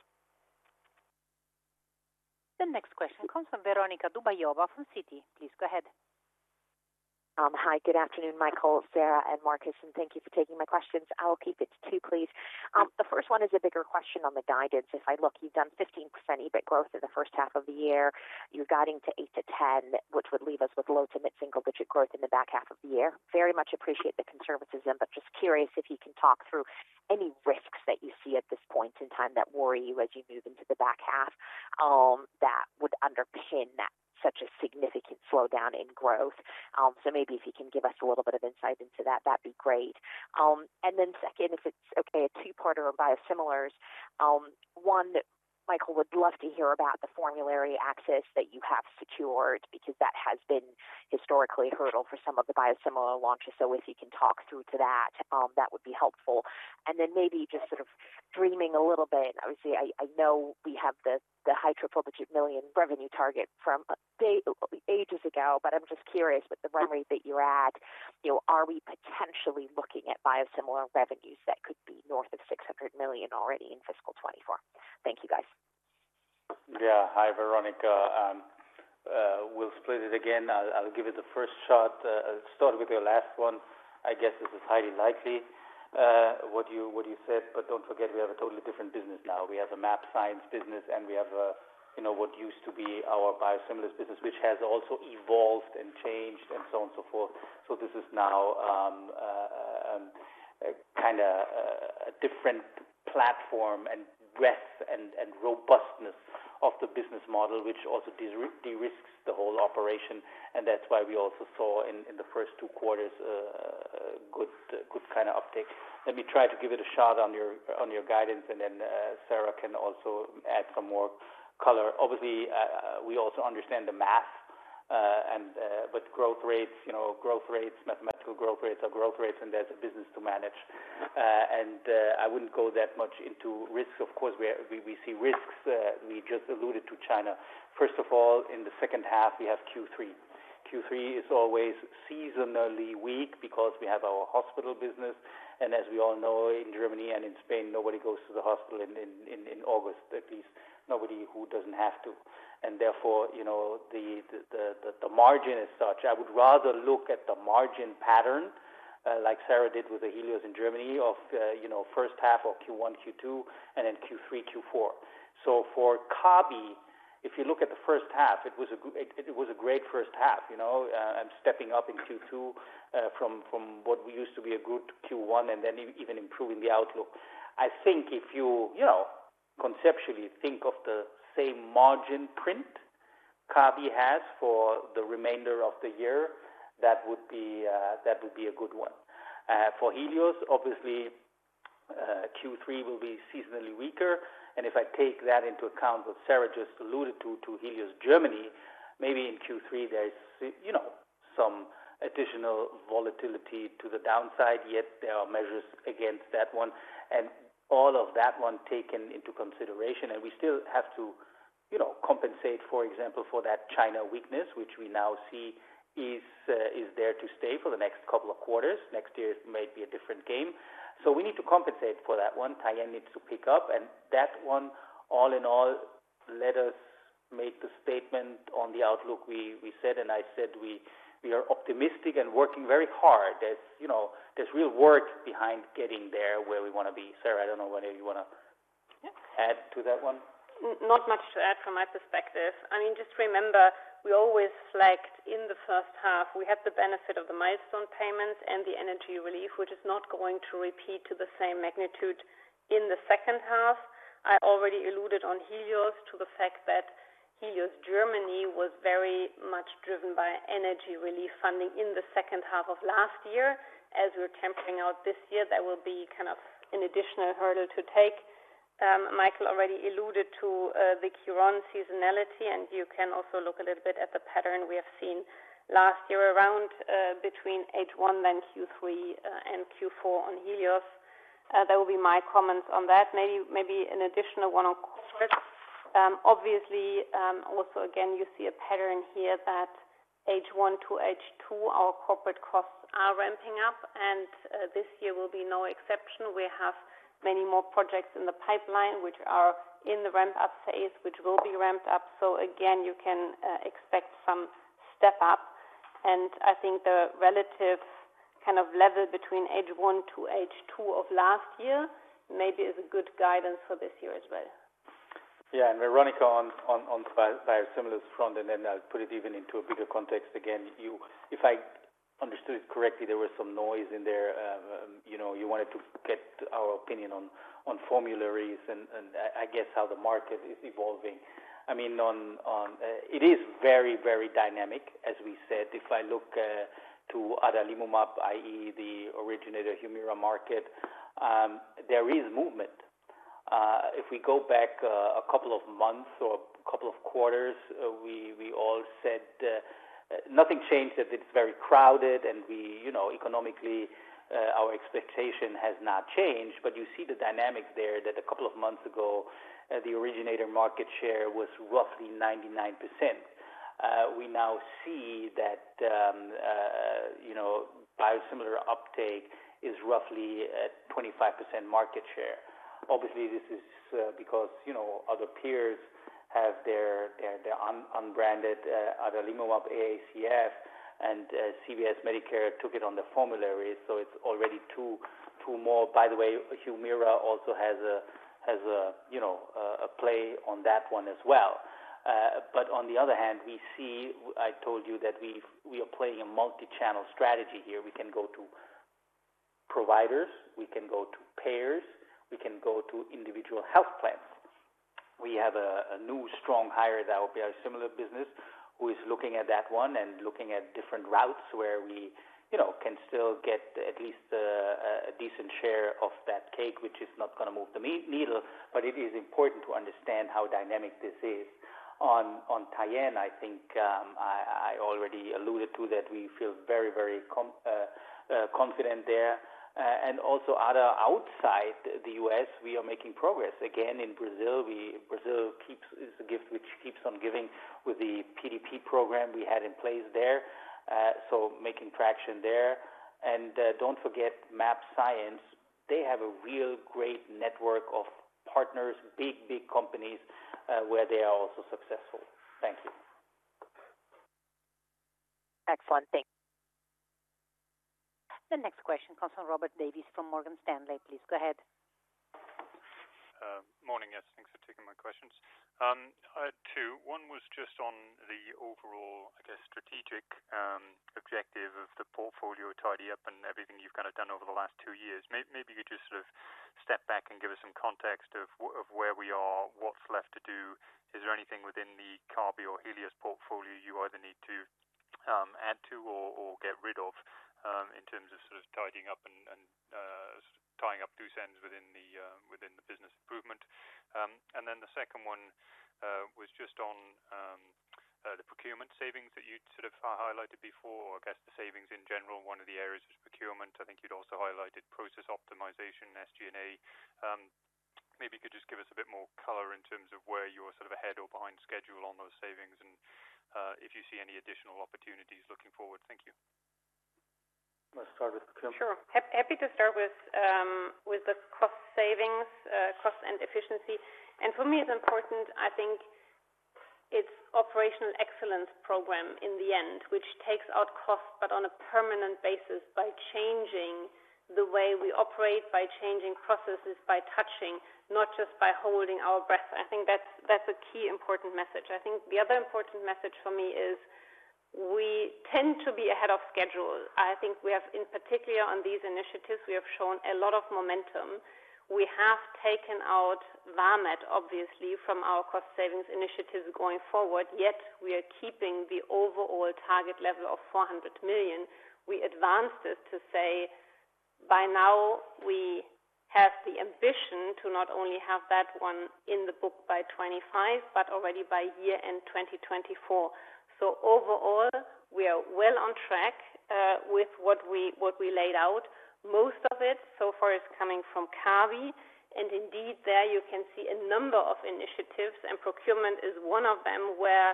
The next question comes from Veronika Dubajova from Citi. Please go ahead. Hi. Good afternoon, Michael, Sara, and Markus. And thank you for taking my questions. I'll keep it to two, please. The first one is a bigger question on the guidance. If I look, you've done 15% EBIT growth in the first half of the year. You're guiding to 8%-10%, which would leave us with low to mid-single-digit growth in the back half of the year. Very much appreciate the conservatism, but just curious if you can talk through any risks that you see at this point in time that worry you as you move into the back half that would underpin such a significant slowdown in growth. So maybe if you can give us a little bit of insight into that, that'd be great. And then second, if it's okay, a two-parter on biosimilars. One, Michael would love to hear about the formulary access that you have secured because that has been historically a hurdle for some of the biosimilar launches. So if you can talk through to that, that would be helpful. And then maybe just sort of dreaming a little bit. Obviously, I know we have the high triple-digit million revenue target from ages ago, but I'm just curious with the run rate that you're at, are we potentially looking at biosimilar revenues that could be north of 600 million already in fiscal 2024? Thank you, guys. Yeah. Hi, Veronika. We'll split it again. I'll give it the first shot. I'll start with your last one. I guess this is highly likely what you said, but don't forget, we have a totally different business now. We have a mAbxience business, and we have what used to be our biosimilars business, which has also evolved and changed and so on and so forth. So this is now kind of a different platform and breadth and robustness of the business model, which also de-risks the whole operation. And that's why we also saw in the first two quarters good kind of uptake. Let me try to give it a shot on your guidance, and then Sara can also add some more color. Obviously, we also understand the math, but growth rates, mathematical growth rates are growth rates, and there's a business to manage. And I wouldn't go that much into risks. Of course, we see risks. We just alluded to China. First of all, in the second half, we have Q3. Q3 is always seasonally weak because we have our hospital business. And as we all know, in Germany and in Spain, nobody goes to the hospital in August, at least nobody who doesn't have to. And therefore, the margin is such. I would rather look at the margin pattern, like Sara did with the Helios in Germany, of first half or Q1, Q2, and then Q3, Q4. So for Kabi, if you look at the first half, it was a great first half. I'm stepping up in Q2 from what used to be a good Q1 and then even improving the outlook. I think if you conceptually think of the same margin print Kabi has for the remainder of the year, that would be a good one. For Helios, obviously, Q3 will be seasonally weaker. And if I take that into account what Sara just alluded to, to Helios Germany, maybe in Q3, there's some additional volatility to the downside, yet there are measures against that one. And all of that one taken into consideration, and we still have to compensate, for example, for that China weakness, which we now see is there to stay for the next couple of quarters. Next year may be a different game. So we need to compensate for that one. Tyenne needs to pick up. And that one, all in all, let us make the statement on the outlook we said, and I said we are optimistic and working very hard. There's real work behind getting there where we want to be. Sara, I don't know whether you want to add to that one. Not much to add from my perspective. I mean, just remember, we always flagged in the first half, we had the benefit of the milestone payments and the energy relief, which is not going to repeat to the same magnitude in the second half. I already alluded on Helios to the fact that Helios Germany was very much driven by energy relief funding in the second half of last year. As we're tempering out this year, there will be kind of an additional hurdle to take. Michael already alluded to the Q1 seasonality, and you can also look a little bit at the pattern we have seen last year around between H1, then Q3, and Q4 on Helios. That will be my comments on that. Maybe an additional one on corporate. Obviously, also again, you see a pattern here that H1 to H2, our corporate costs are ramping up, and this year will be no exception. We have many more projects in the pipeline which are in the ramp-up phase, which will be ramped up. So again, you can expect some step-up. And I think the relative kind of level between H1 to H2 of last year maybe is a good guidance for this year as well. Yeah. And Veronika on the biosimilars front, and then I'll put it even into a bigger context. Again, if I understood it correctly, there was some noise in there. You wanted to get our opinion on formularies and, I guess, how the market is evolving. I mean, it is very, very dynamic, as we said. If I look to other adalimumab, i.e., the originator Humira market, there is movement. If we go back a couple of months or a couple of quarters, we all said nothing changed, that it's very crowded, and economically, our expectation has not changed. But you see the dynamic there that a couple of months ago, the originator market share was roughly 99%. We now see that biosimilar uptake is roughly 25% market share. Obviously, this is because other peers have their unbranded other adalimumab aacf, and CVS Medicare took it on the formulary. So it's already two more. By the way, Humira also has a play on that one as well. But on the other hand, we see, I told you, that we are playing a multi-channel strategy here. We can go to providers, we can go to payers, we can go to individual health plans. We have a new strong hire that will be our similar business who is looking at that one and looking at different routes where we can still get at least a decent share of that cake, which is not going to move the needle. But it is important to understand how dynamic this is. On Tyenne, I think I already alluded to that we feel very, very confident there. And also outside the U.S., we are making progress. Again, in Brazil, it's a gift which keeps on giving with the PDP program we had in place there. So making traction there. And don't forget mAbxience. They have a real great network of partners, big, big companies where they are also successful. Thank you. Excellent. Thanks. The next question comes from Robert Davies from Morgan Stanley. Please go ahead. Morning. Yes. Thanks for taking my questions. Two. One was just on the overall, I guess, strategic objective of the portfolio tidy up and everything you've kind of done over the last two years. Maybe you could just sort of step back and give us some context of where we are, what's left to do. Is there anything within the Kabi or Helios portfolio you either need to add to or get rid of in terms of sort of tidying up and tying up loose ends within the business improvement? And then the second one was just on the procurement savings that you sort of highlighted before, or I guess the savings in general. One of the areas was procurement. I think you'd also highlighted process optimization, SG&A. Maybe you could just give us a bit more color in terms of where you're sort of ahead or behind schedule on those savings and if you see any additional opportunities looking forward. Thank you. Let's start with procurement. Sure. Happy to start with the cost savings, cost and efficiency. And for me, it's important. I think it's operational excellence program in the end, which takes out cost, but on a permanent basis by changing the way we operate, by changing processes, by touching, not just by holding our breath. I think that's a key important message. I think the other important message for me is we tend to be ahead of schedule. I think we have, in particular on these initiatives, we have shown a lot of momentum. We have taken out Vamed, obviously, from our cost savings initiatives going forward, yet we are keeping the overall target level of 400 million. We advanced this to say by now we have the ambition to not only have that one in the book by 2025, but already by year end 2024. So overall, we are well on track with what we laid out. Most of it so far is coming from Kabi. Indeed, there you can see a number of initiatives, and procurement is one of them where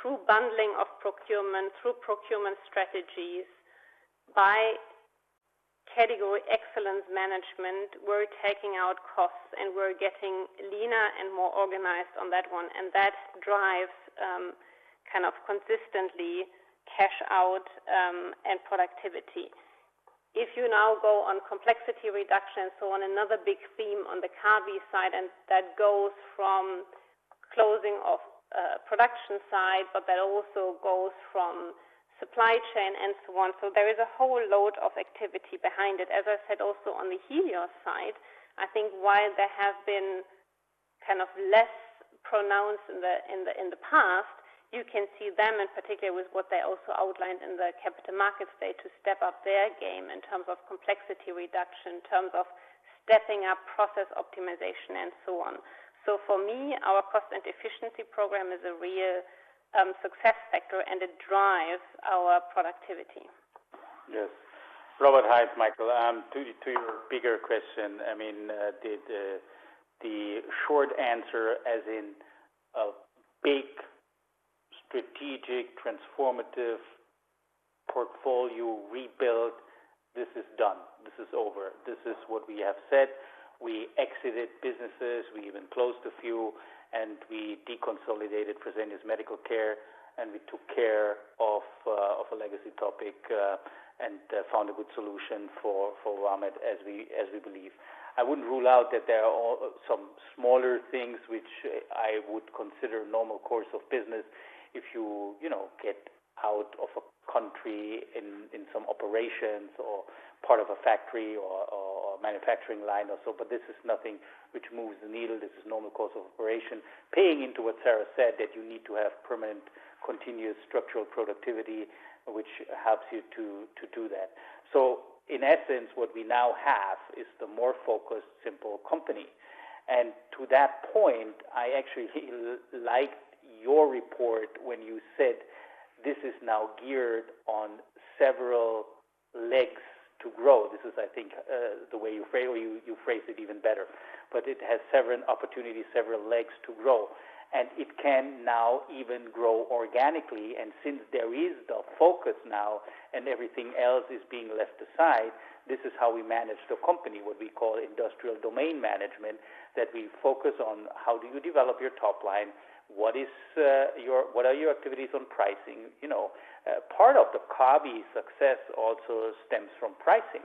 through bundling of procurement, through procurement strategies, by category excellence management, we're taking out costs and we're getting leaner and more organized on that one. And that drives kind of consistently cash out and productivity. If you now go on complexity reduction and so on, another big theme on the Kabi side, and that goes from closing of production side, but that also goes from supply chain and so on. So there is a whole load of activity behind it. As I said, also on the Helios side, I think while there have been kind of less pronounced in the past, you can see them in particular with what they also outlined in the capital markets there to step up their game in terms of complexity reduction, in terms of stepping up process optimization and so on. So for me, our cost and efficiency program is a real success factor, and it drives our productivity. Yes. Robert, hi, Michael. To your bigger question, I mean, the short answer, as in a big strategic transformative portfolio rebuild, this is done. This is over. This is what we have said. We exited businesses, we even closed a few, and we deconsolidated Fresenius Medical Care, and we took care of a legacy topic and found a good solution for Vamed, as we believe. I wouldn't rule out that there are some smaller things which I would consider normal course of business if you get out of a country in some operations or part of a factory or manufacturing line or so. But this is nothing which moves the needle. This is normal course of operation. Building on what Sara said, that you need to have permanent continuous structural productivity, which helps you to do that. So in essence, what we now have is the more focused simple company. To that point, I actually liked your report when you said this is now geared on several legs to grow. This is, I think, the way you phrase it even better. But it has several opportunities, several legs to grow. It can now even grow organically. And since there is the focus now and everything else is being left aside, this is how we manage the company, what we call industrial domain management, that we focus on how do you develop your top line, what are your activities on pricing. Part of the Kabi success also stems from pricing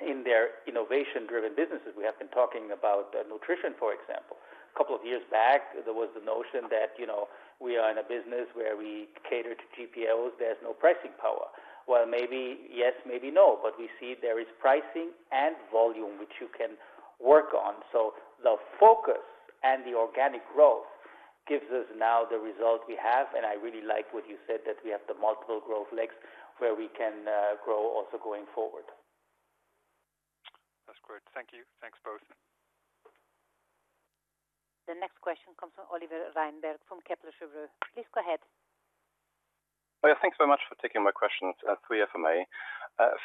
in their innovation-driven businesses. We have been talking about nutrition, for example. A couple of years back, there was the notion that we are in a business where we cater to GPOs, there's no pricing power. Well, maybe yes, maybe no, but we see there is pricing and volume which you can work on. So the focus and the organic growth gives us now the result we have. And I really like what you said, that we have the multiple growth legs where we can grow also going forward. That's great. Thank you. Thanks both. The next question comes from Oliver Reinberg from Kepler Cheuvreux. Please go ahead. Thanks very much for taking my questions, three if I may.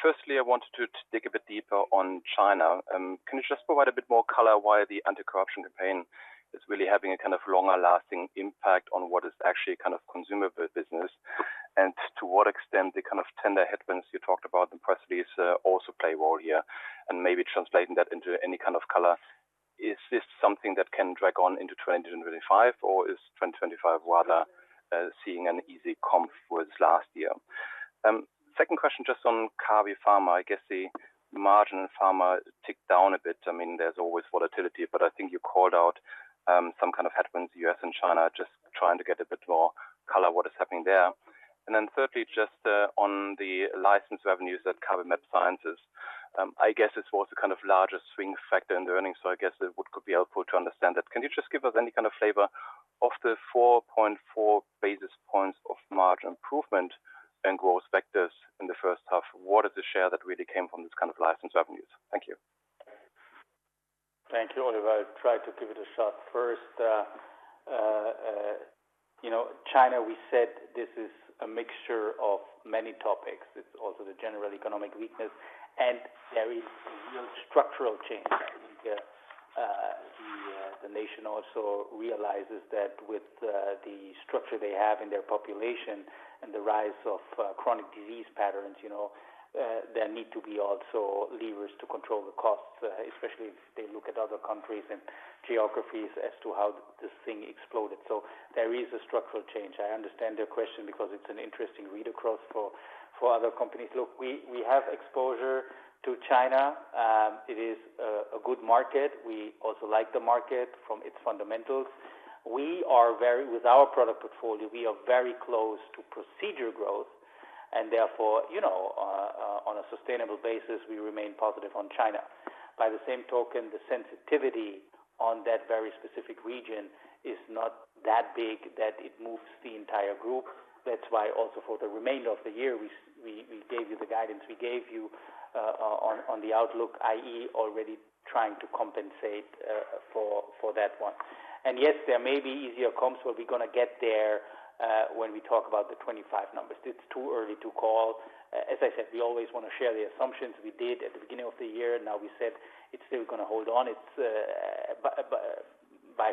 Firstly, I wanted to dig a bit deeper on China. Can you just provide a bit more color why the anti-corruption campaign is really having a kind of longer-lasting impact on what is actually kind of consumer business and to what extent the kind of tender headwinds you talked about and press release also play a role here and maybe translating that into any kind of color? Is this something that can drag on into 2025, or is 2025 rather seeing an easy comp with last year? Second question, just on Kabi Pharma, I guess the margin in pharma ticked down a bit. I mean, there's always volatility, but I think you called out some kind of headwinds in the U.S. and China, just trying to get a bit more color what is happening there. And then thirdly, just on the license revenues at Kabi, I guess it's also kind of a larger swing factor in the earnings. So I guess it would be helpful to understand that. Can you just give us any kind of flavor of the 4.4 basis points of margin improvement and growth vectors in the first half? What is the share that really came from this kind of license revenues? Thank you. Thank you, Oliver. I'll try to give it a shot first. China, we said this is a mixture of many topics. It's also the general economic weakness and there is real structural change. I think the nation also realizes that with the structure they have in their population and the rise of chronic disease patterns, there need to be also levers to control the costs, especially if they look at other countries and geographies as to how this thing exploded. So there is a structural change. I understand their question because it's an interesting read across for other companies. Look, we have exposure to China. It is a good market. We also like the market from its fundamentals. With our product portfolio, we are very close to procedure growth, and therefore, on a sustainable basis, we remain positive on China. By the same token, the sensitivity on that very specific region is not that big that it moves the entire group. That's why also for the remainder of the year, we gave you the guidance we gave you on the outlook, i.e., already trying to compensate for that one. And yes, there may be easier comps, but we're going to get there when we talk about the 2025 numbers. It's too early to call. As I said, we always want to share the assumptions. We did at the beginning of the year. Now we said it's still going to hold on. In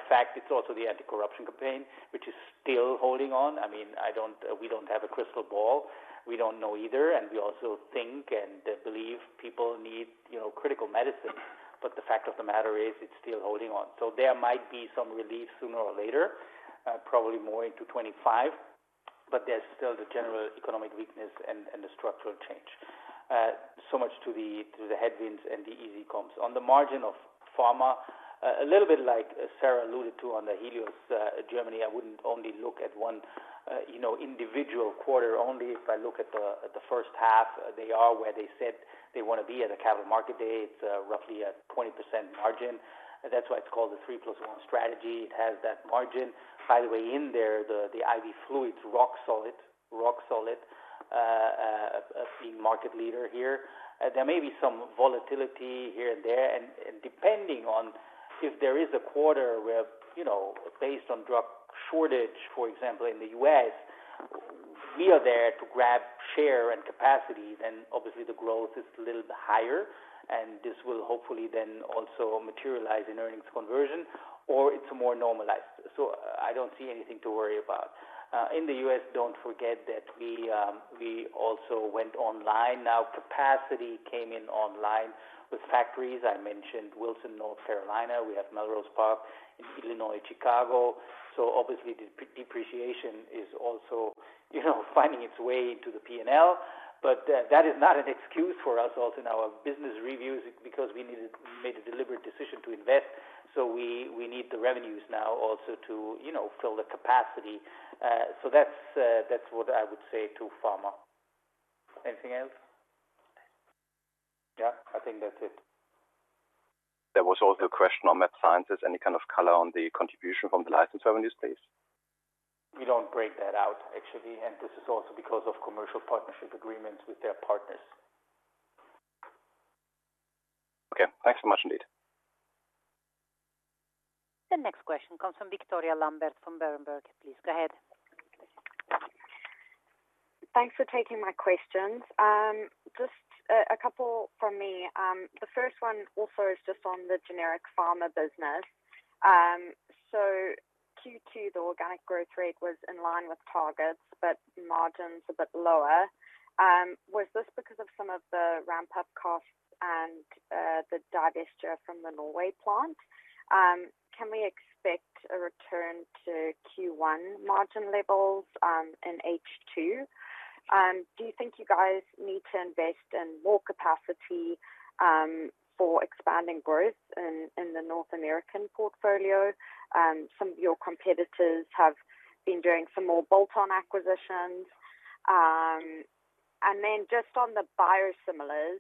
fact, it's also the anti-corruption campaign, which is still holding on. I mean, we don't have a crystal ball. We don't know either. And we also think and believe people need critical medicine. But the fact of the matter is it's still holding on. So there might be some relief sooner or later, probably more into 2025, but there's still the general economic weakness and the structural change. So much to the headwinds and the easy comps. On the margin of pharma, a little bit like Sara alluded to on the Helios Germany, I wouldn't only look at one individual quarter only. If I look at the first half, they are where they said they want to be at a Capital Market Day. It's roughly a 20% margin. That's why it's called the three plus one strategy. It has that margin. By the way, in there, the IV fluids, rock solid, rock solid, being market leader here. There may be some volatility here and there. And depending on if there is a quarter where, based on drug shortage, for example, in the U.S., we are there to grab share and capacity, then obviously the growth is a little bit higher. And this will hopefully then also materialize in earnings conversion, or it's more normalized. So I don't see anything to worry about. In the U.S., don't forget that we also went online. Now, capacity came in online with factories. I mentioned Wilson, North Carolina. We have Melrose Park in Illinois, Chicago. So obviously, the depreciation is also finding its way into the P&L. But that is not an excuse for us also in our business reviews because we made a deliberate decision to invest. So we need the revenues now also to fill the capacity. So that's what I would say to pharma. Anything else? Yeah, I think that's it. There was also a question on mAbxience. Any kind of color on the contribution from the license revenues, please? We don't break that out, actually. And this is also because of commercial partnership agreements with their partners. Okay. Thanks so much, indeed. The next question comes from Victoria Lambert from Berenberg. Please go ahead. Thanks for taking my questions. Just a couple from me. The first one also is just on the generic pharma business. So Q2, the organic growth rate was in line with targets, but margins a bit lower. Was this because of some of the ramp-up costs and the divestiture from the Norway plant? Can we expect a return to Q1 margin levels in H2? Do you think you guys need to invest in more capacity for expanding growth in the North American portfolio? Some of your competitors have been doing some more bolt-on acquisitions. And then just on the biosimilars,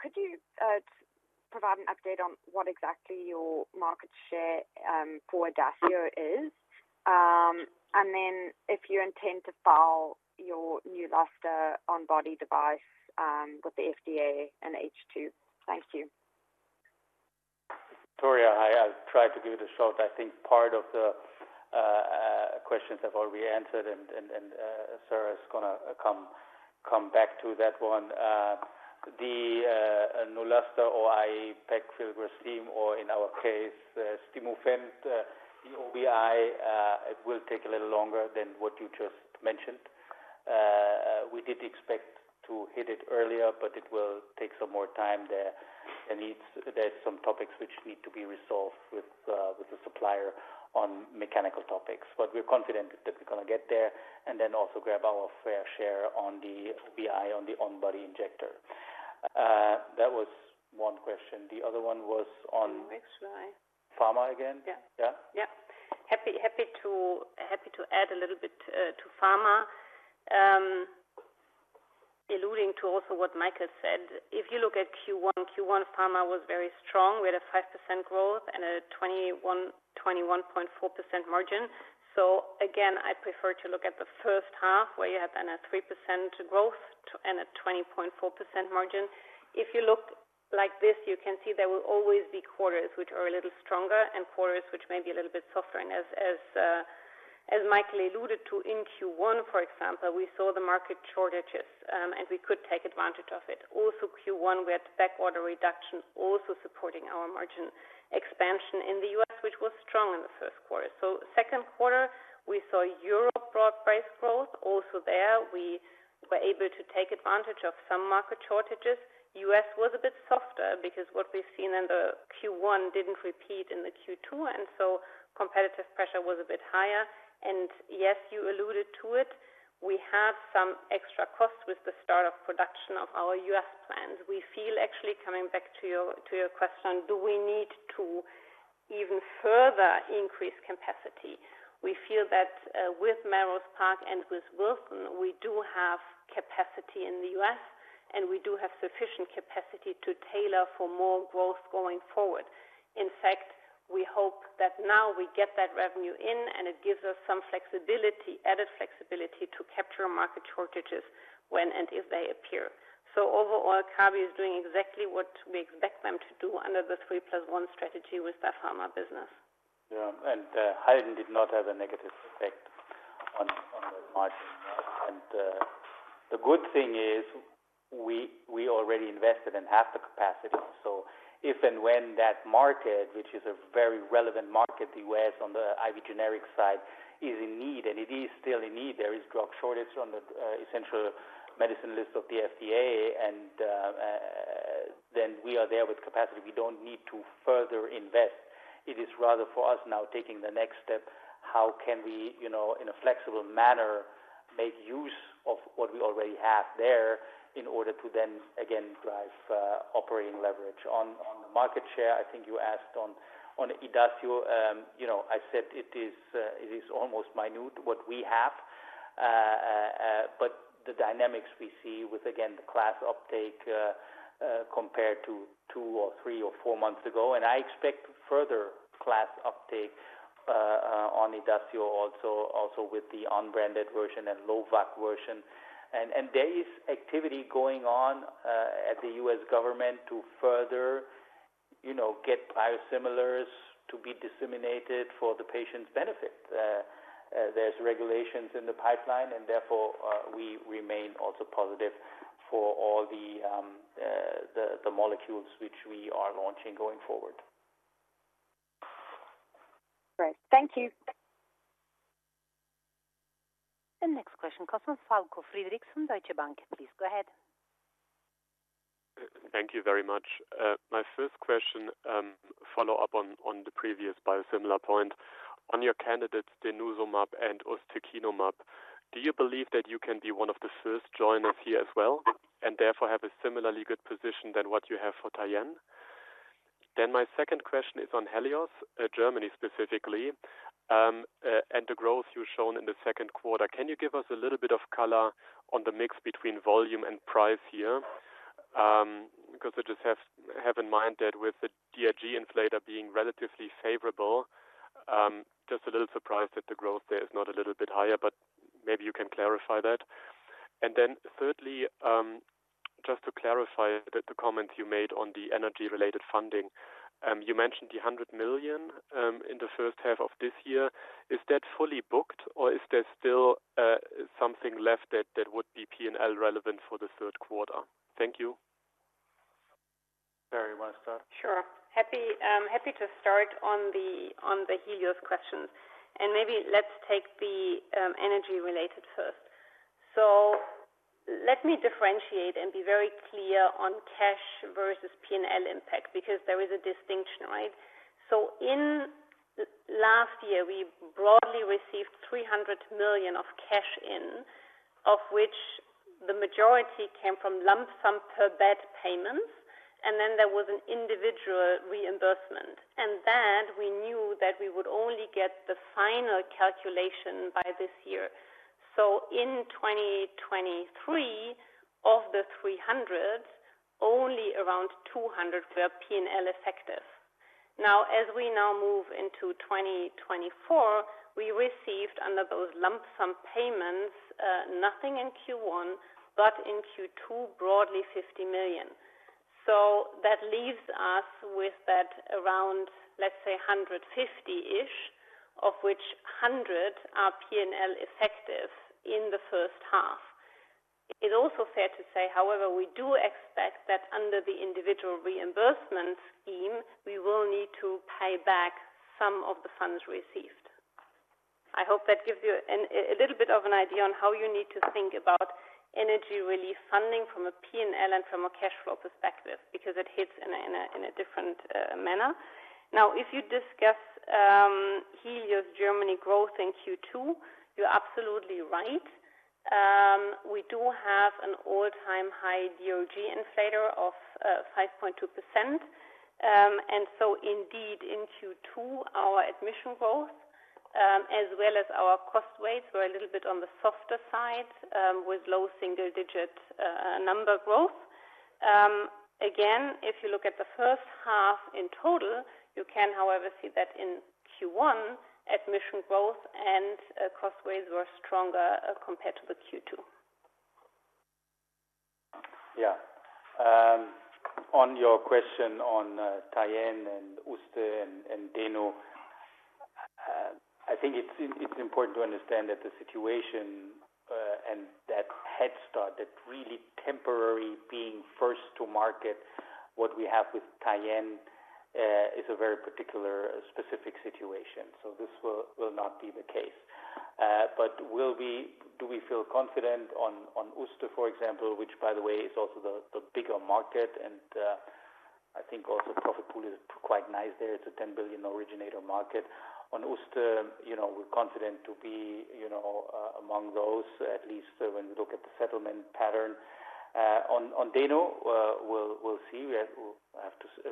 could you provide an update on what exactly your market share for Idacio is? And then if you intend to file your Neulasta on-body device with the FDA in H2? Thank you. Victoria, hi. I tried to give you the short. I think part of the questions have already been answered, and Sara is going to come back to that one. The Neulasta or pegfilgrastim, or in our case, Stimufend, the OBI, it will take a little longer than what you just mentioned. We did expect to hit it earlier, but it will take some more time there. There's some topics which need to be resolved with the supplier on mechanical topics. But we're confident that we're going to get there and then also grab our fair share on the OBI, on the on-body injector. That was one question. The other one was on. Pharma again? Yeah. Yeah. Happy to add a little bit to pharma, alluding to also what Michael said. If you look at Q1, Q1 pharma was very strong. We had a 5% growth and a 21.4% margin. So again, I prefer to look at the first half where you had then a 3% growth and a 20.4% margin. If you look like this, you can see there will always be quarters which are a little stronger and quarters which may be a little bit softer. And as Michael alluded to, in Q1, for example, we saw the market shortages, and we could take advantage of it. Also, Q1, we had backorder reduction also supporting our margin expansion in the U.S., which was strong in the first quarter. So second quarter, we saw Europe broad-based growth. Also there, we were able to take advantage of some market shortages. U.S. was a bit softer because what we've seen in the Q1 didn't repeat in the Q2, and so competitive pressure was a bit higher. And yes, you alluded to it. We have some extra costs with the start of production of our U.S. plants. We feel, actually, coming back to your question, do we need to even further increase capacity? We feel that with Melrose Park and with Wilson, we do have capacity in the U.S., and we do have sufficient capacity to tailor for more growth going forward. In fact, we hope that now we get that revenue in, and it gives us some added flexibility to capture market shortages when and if they appear. So overall, Kabi is doing exactly what we expect them to do under the three plus one strategy with the pharma business. Yeah. And Halden did not have a negative effect on the margin. And the good thing is we already invested in half the capacity. So if and when that market, which is a very relevant market, the U.S. on the IV generic side, is in need, and it is still in need, there is drug shortage on the essential medicine list of the FDA, then we are there with capacity. We don't need to further invest. It is rather for us now taking the next step. How can we, in a flexible manner, make use of what we already have there in order to then, again, drive operating leverage? On the market share, I think you asked on Idacio. I said it is almost minute what we have, but the dynamics we see with, again, the class uptake compared to two or three or four months ago. And I expect further class uptake on Idacio also with the unbranded version and low WAC version. There is activity going on at the U.S. government to further get biosimilars to be disseminated for the patient's benefit. There's regulations in the pipeline, and therefore, we remain also positive for all the molecules which we are launching going forward. Great. Thank you. The next question comes from Falko Friedrichs from Deutsche Bank. Please go ahead. Thank you very much. My first question, follow-up on the previous biosimilar point. On your candidates, denosumab and ustekinumab, do you believe that you can be one of the first joiners here as well and therefore have a similarly good position than what you have for Tyenne? Then my second question is on Helios, Germany specifically, and the growth you shown in the second quarter. Can you give us a little bit of color on the mix between volume and price here? Because I just have in mind that with the DRG inflator being relatively favorable, just a little surprised that the growth there is not a little bit higher, but maybe you can clarify that. And then thirdly, just to clarify the comments you made on the energy-related funding, you mentioned the 100 million in the first half of this year. Is that fully booked, or is there still something left that would be P&L relevant for the third quarter? Thank you. Very well started. Sure. Happy to start on the Helios questions. And maybe let's take the energy-related first. So let me differentiate and be very clear on cash versus P&L impact because there is a distinction, right? So in last year, we broadly received 300 million of cash in, of which the majority came from lump sum per bed payments, and then there was an individual reimbursement. And then we knew that we would only get the final calculation by this year. So in 2023, of the 300 million, only around 200 were P&L effective. Now, as we now move into 2024, we received under those lump sum payments, nothing in Q1, but in Q2, broadly 50 million. So that leaves us with that around, let's say, 150-ish, of which 100 are P&L effective in the first half. It's also fair to say, however, we do expect that under the individual reimbursement scheme, we will need to pay back some of the funds received. I hope that gives you a little bit of an idea on how you need to think about energy relief funding from a P&L and from a cash flow perspective because it hits in a different manner. Now, if you discuss Helios Germany growth in Q2, you're absolutely right. We do have an all-time high DRG inflator of 5.2%. So indeed, in Q2, our admission growth, as well as our cost weights, were a little bit on the softer side with low single-digit number growth. Again, if you look at the first half in total, you can, however, see that in Q1, admission growth and cost weights were stronger compared to the Q2. Yeah. On your question on Tyenne and uste and deno, I think it's important to understand that the situation and that head start, that really temporary being first to market, what we have with Tyenne is a very particular, specific situation. So this will not be the case. But do we feel confident on uste, for example, which, by the way, is also the bigger market, and I think also profit pool is quite nice there. It's a 10 billion originator market. On uste, we're confident to be among those, at least when we look at the settlement pattern. On deno, we'll see.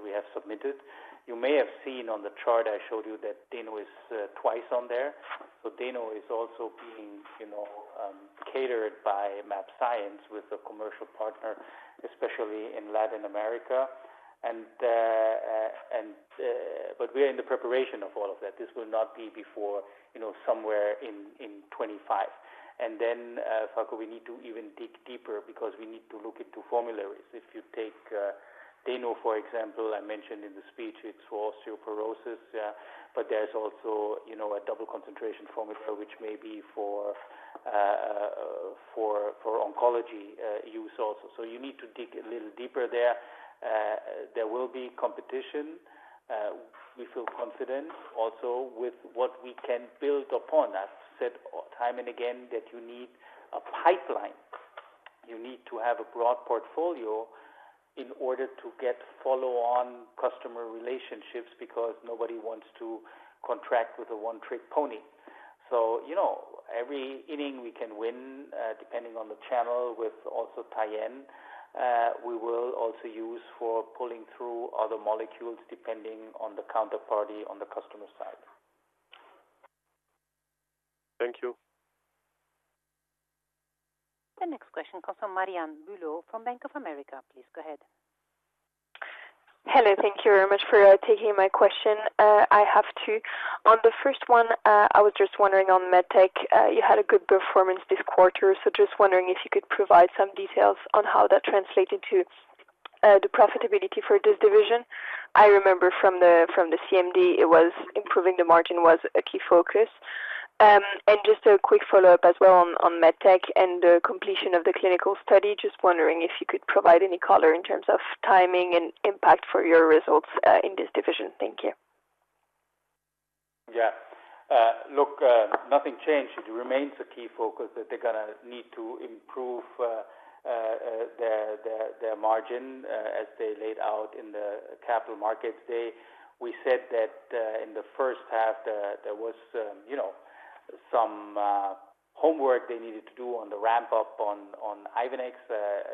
We have submitted. You may have seen on the chart I showed you that deno is twice on there. So deno is also being catered by mAbxience with a commercial partner, especially in Latin America. But we are in the preparation of all of that. This will not be before somewhere in 2025. And then, Falko, we need to even dig deeper because we need to look into formularies. If you take deno, for example, I mentioned in the speech, it's for osteoporosis, but there's also a double concentration formula, which may be for oncology use also. So you need to dig a little deeper there. There will be competition. We feel confident also with what we can build upon. I've said time and again that you need a pipeline. You need to have a broad portfolio in order to get follow-on customer relationships because nobody wants to contract with a one-trick pony. So every inning we can win, depending on the channel with also Tyenne, we will also use for pulling through other molecules depending on the counterparty on the customer side. Thank you. The next question comes from Marianne Bulot from Bank of America. Please go ahead. Hello. Thank you very much for taking my question. I have two. On the first one, I was just wondering on MedTech, you had a good performance this quarter, so just wondering if you could provide some details on how that translated to the profitability for this division. I remember from the CMD, improving the margin was a key focus. And just a quick follow-up as well on MedTech and the completion of the clinical study. Just wondering if you could provide any color in terms of timing and impact for your results in this division. Thank you. Yeah. Look, nothing changed. It remains a key focus that they're going to need to improve their margin as they laid out in the capital markets day. We said that in the first half, there was some homework they needed to do on the ramp-up on Ivenix.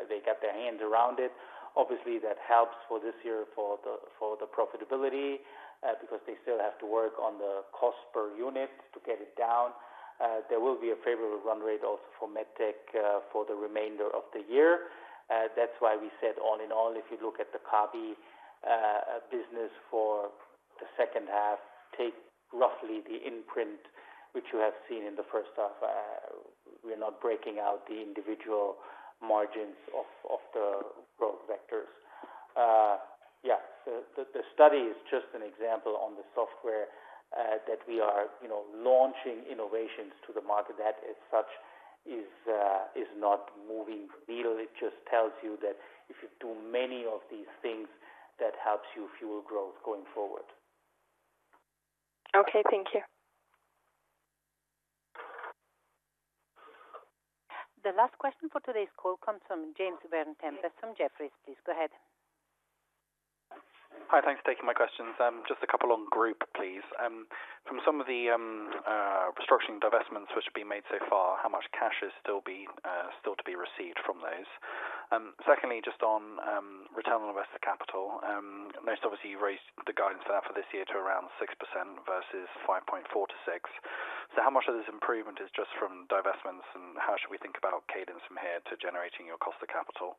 They got their hands around it. Obviously, that helps for this year for the profitability because they still have to work on the cost per unit to get it down. There will be a favorable run rate also for MedTech for the remainder of the year. That's why we said all in all, if you look at the Kabi business for the second half, take roughly the imprint which you have seen in the first half. We're not breaking out the individual margins of the growth vectors. Yeah. The study is just an example on the software that we are launching innovations to the market that is not moving needle. It just tells you that if you do many of these things, that helps you fuel growth going forward. Okay. Thank you. The last question for today's call comes from James Vane-Tempest from Jefferies. Please go ahead. Hi. Thanks for taking my questions. Just a couple on group, please. From some of the restructuring investments which have been made so far, how much cash is still to be received from those? Secondly, just on return on invested capital, most obviously you raised the guidance for that for this year to around 6% versus 5.4%-6%. So how much of this improvement is just from divestments, and how should we think about cadence from here to generating your cost of capital?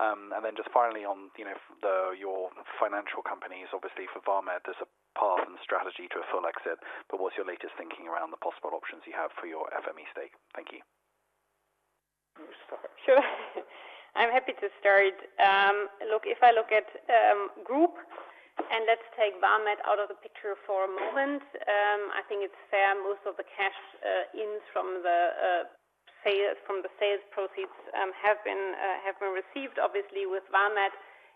And then just finally on your financial companies, obviously for Vamed, there's a path and strategy to a full exit, but what's your latest thinking around the possible options you have for your FME stake? Thank you. Sure. I'm happy to start. Look, if I look at group, and let's take Vamed out of the picture for a moment, I think it's fair. Most of the cash in from the sales proceeds have been received, obviously, with Vamed.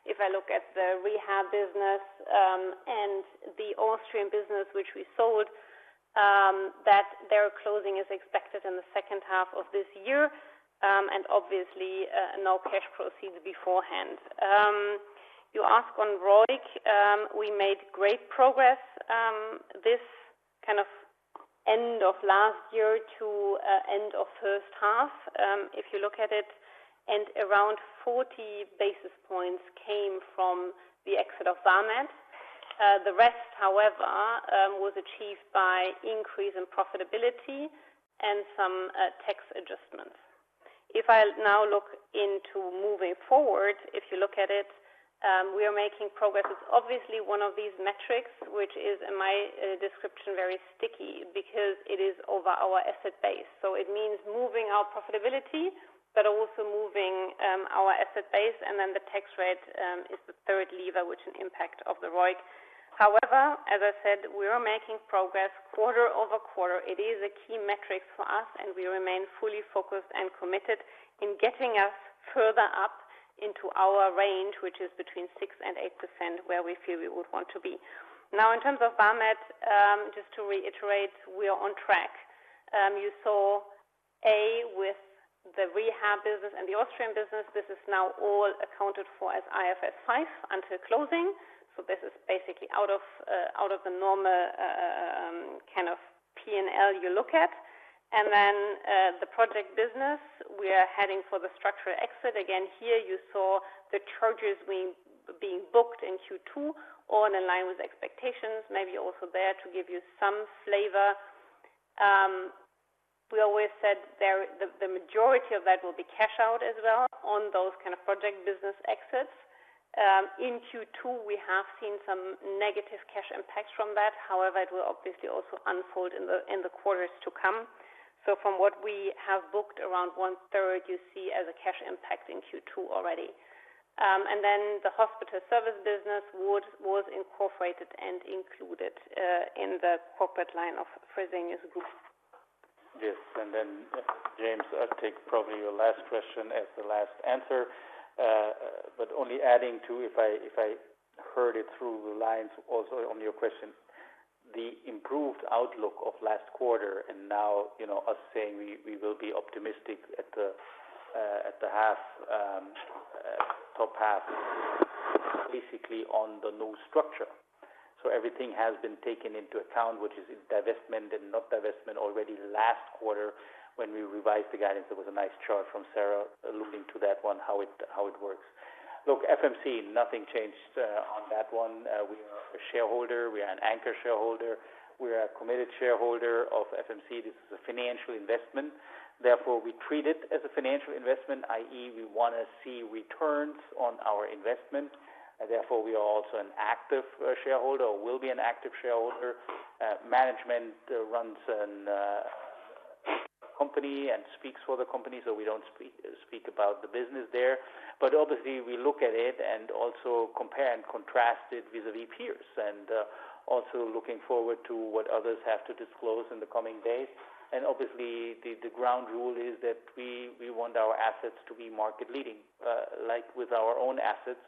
If I look at the rehab business and the Austrian business, which we sold, that their closing is expected in the second half of this year, and obviously, no cash proceeds beforehand. You ask on ROIC, we made great progress this kind of end of last year to end of first half, if you look at it, and around 40 basis points came from the exit of Vamed. The rest, however, was achieved by increase in profitability and some tax adjustments. If I now look into moving forward, if you look at it, we are making progress. It's obviously one of these metrics which is, in my description, very sticky because it is over our asset base. So it means moving our profitability, but also moving our asset base, and then the tax rate is the third lever which an impact of the ROIC. However, as I said, we are making progress quarter-over-quarter. It is a key metric for us, and we remain fully focused and committed in getting us further up into our range, which is between 6% and 8% where we feel we would want to be. Now, in terms of Vamed, just to reiterate, we are on track. You saw as with the rehab business and the Austrian business. This is now all accounted for as IFRS 5 until closing. So this is basically out of the normal kind of P&L you look at. And then the project business, we are heading for the structural exit. Again, here you saw the charges being booked in Q2 or in line with expectations, maybe also there to give you some flavor. We always said the majority of that will be cash out as well on those kinds of project business exits. In Q2, we have seen some negative cash impacts from that. However, it will obviously also unfold in the quarters to come. So from what we have booked, around 1/3 you see as a cash impact in Q2 already. And then, James, I'll take probably your last question as the last answer, but only adding to if I heard it through the lines also on your question, the improved outlook of last quarter and now us saying we will be optimistic at the top half, basically on the new structure. So everything has been taken into account, which is divestment and not divestment already last quarter. When we revised the guidance, there was a nice chart from Sara looking to that one, how it works. Look, FMC, nothing changed on that one. We are a shareholder. We are an anchor shareholder. We are a committed shareholder of FMC. This is a financial investment. Therefore, we treat it as a financial investment, i.e., we want to see returns on our investment. Therefore, we are also an active shareholder or will be an active shareholder. Management runs a company and speaks for the company, so we don't speak about the business there. But obviously, we look at it and also compare and contrast it vis-à-vis peers and also looking forward to what others have to disclose in the coming days. Obviously, the ground rule is that we want our assets to be market-leading like with our own assets.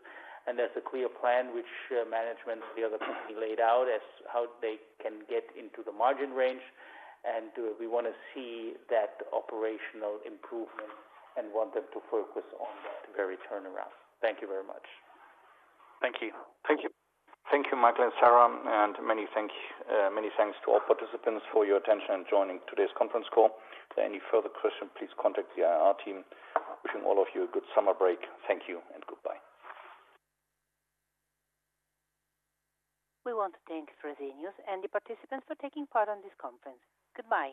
There's a clear plan, which management and the other company laid out as how they can get into the margin range. We want to see that operational improvement and want them to focus on that very turnaround. Thank you very much. Thank you. Thank you. Thank you, Michael and Sara. Many thanks to all participants for your attention and joining today's conference call. If there are any further questions, please contact the IR team. Wishing all of you a good summer break. Thank you and goodbye. We want to thank Fresenius and the participants for taking part in this conference. Goodbye.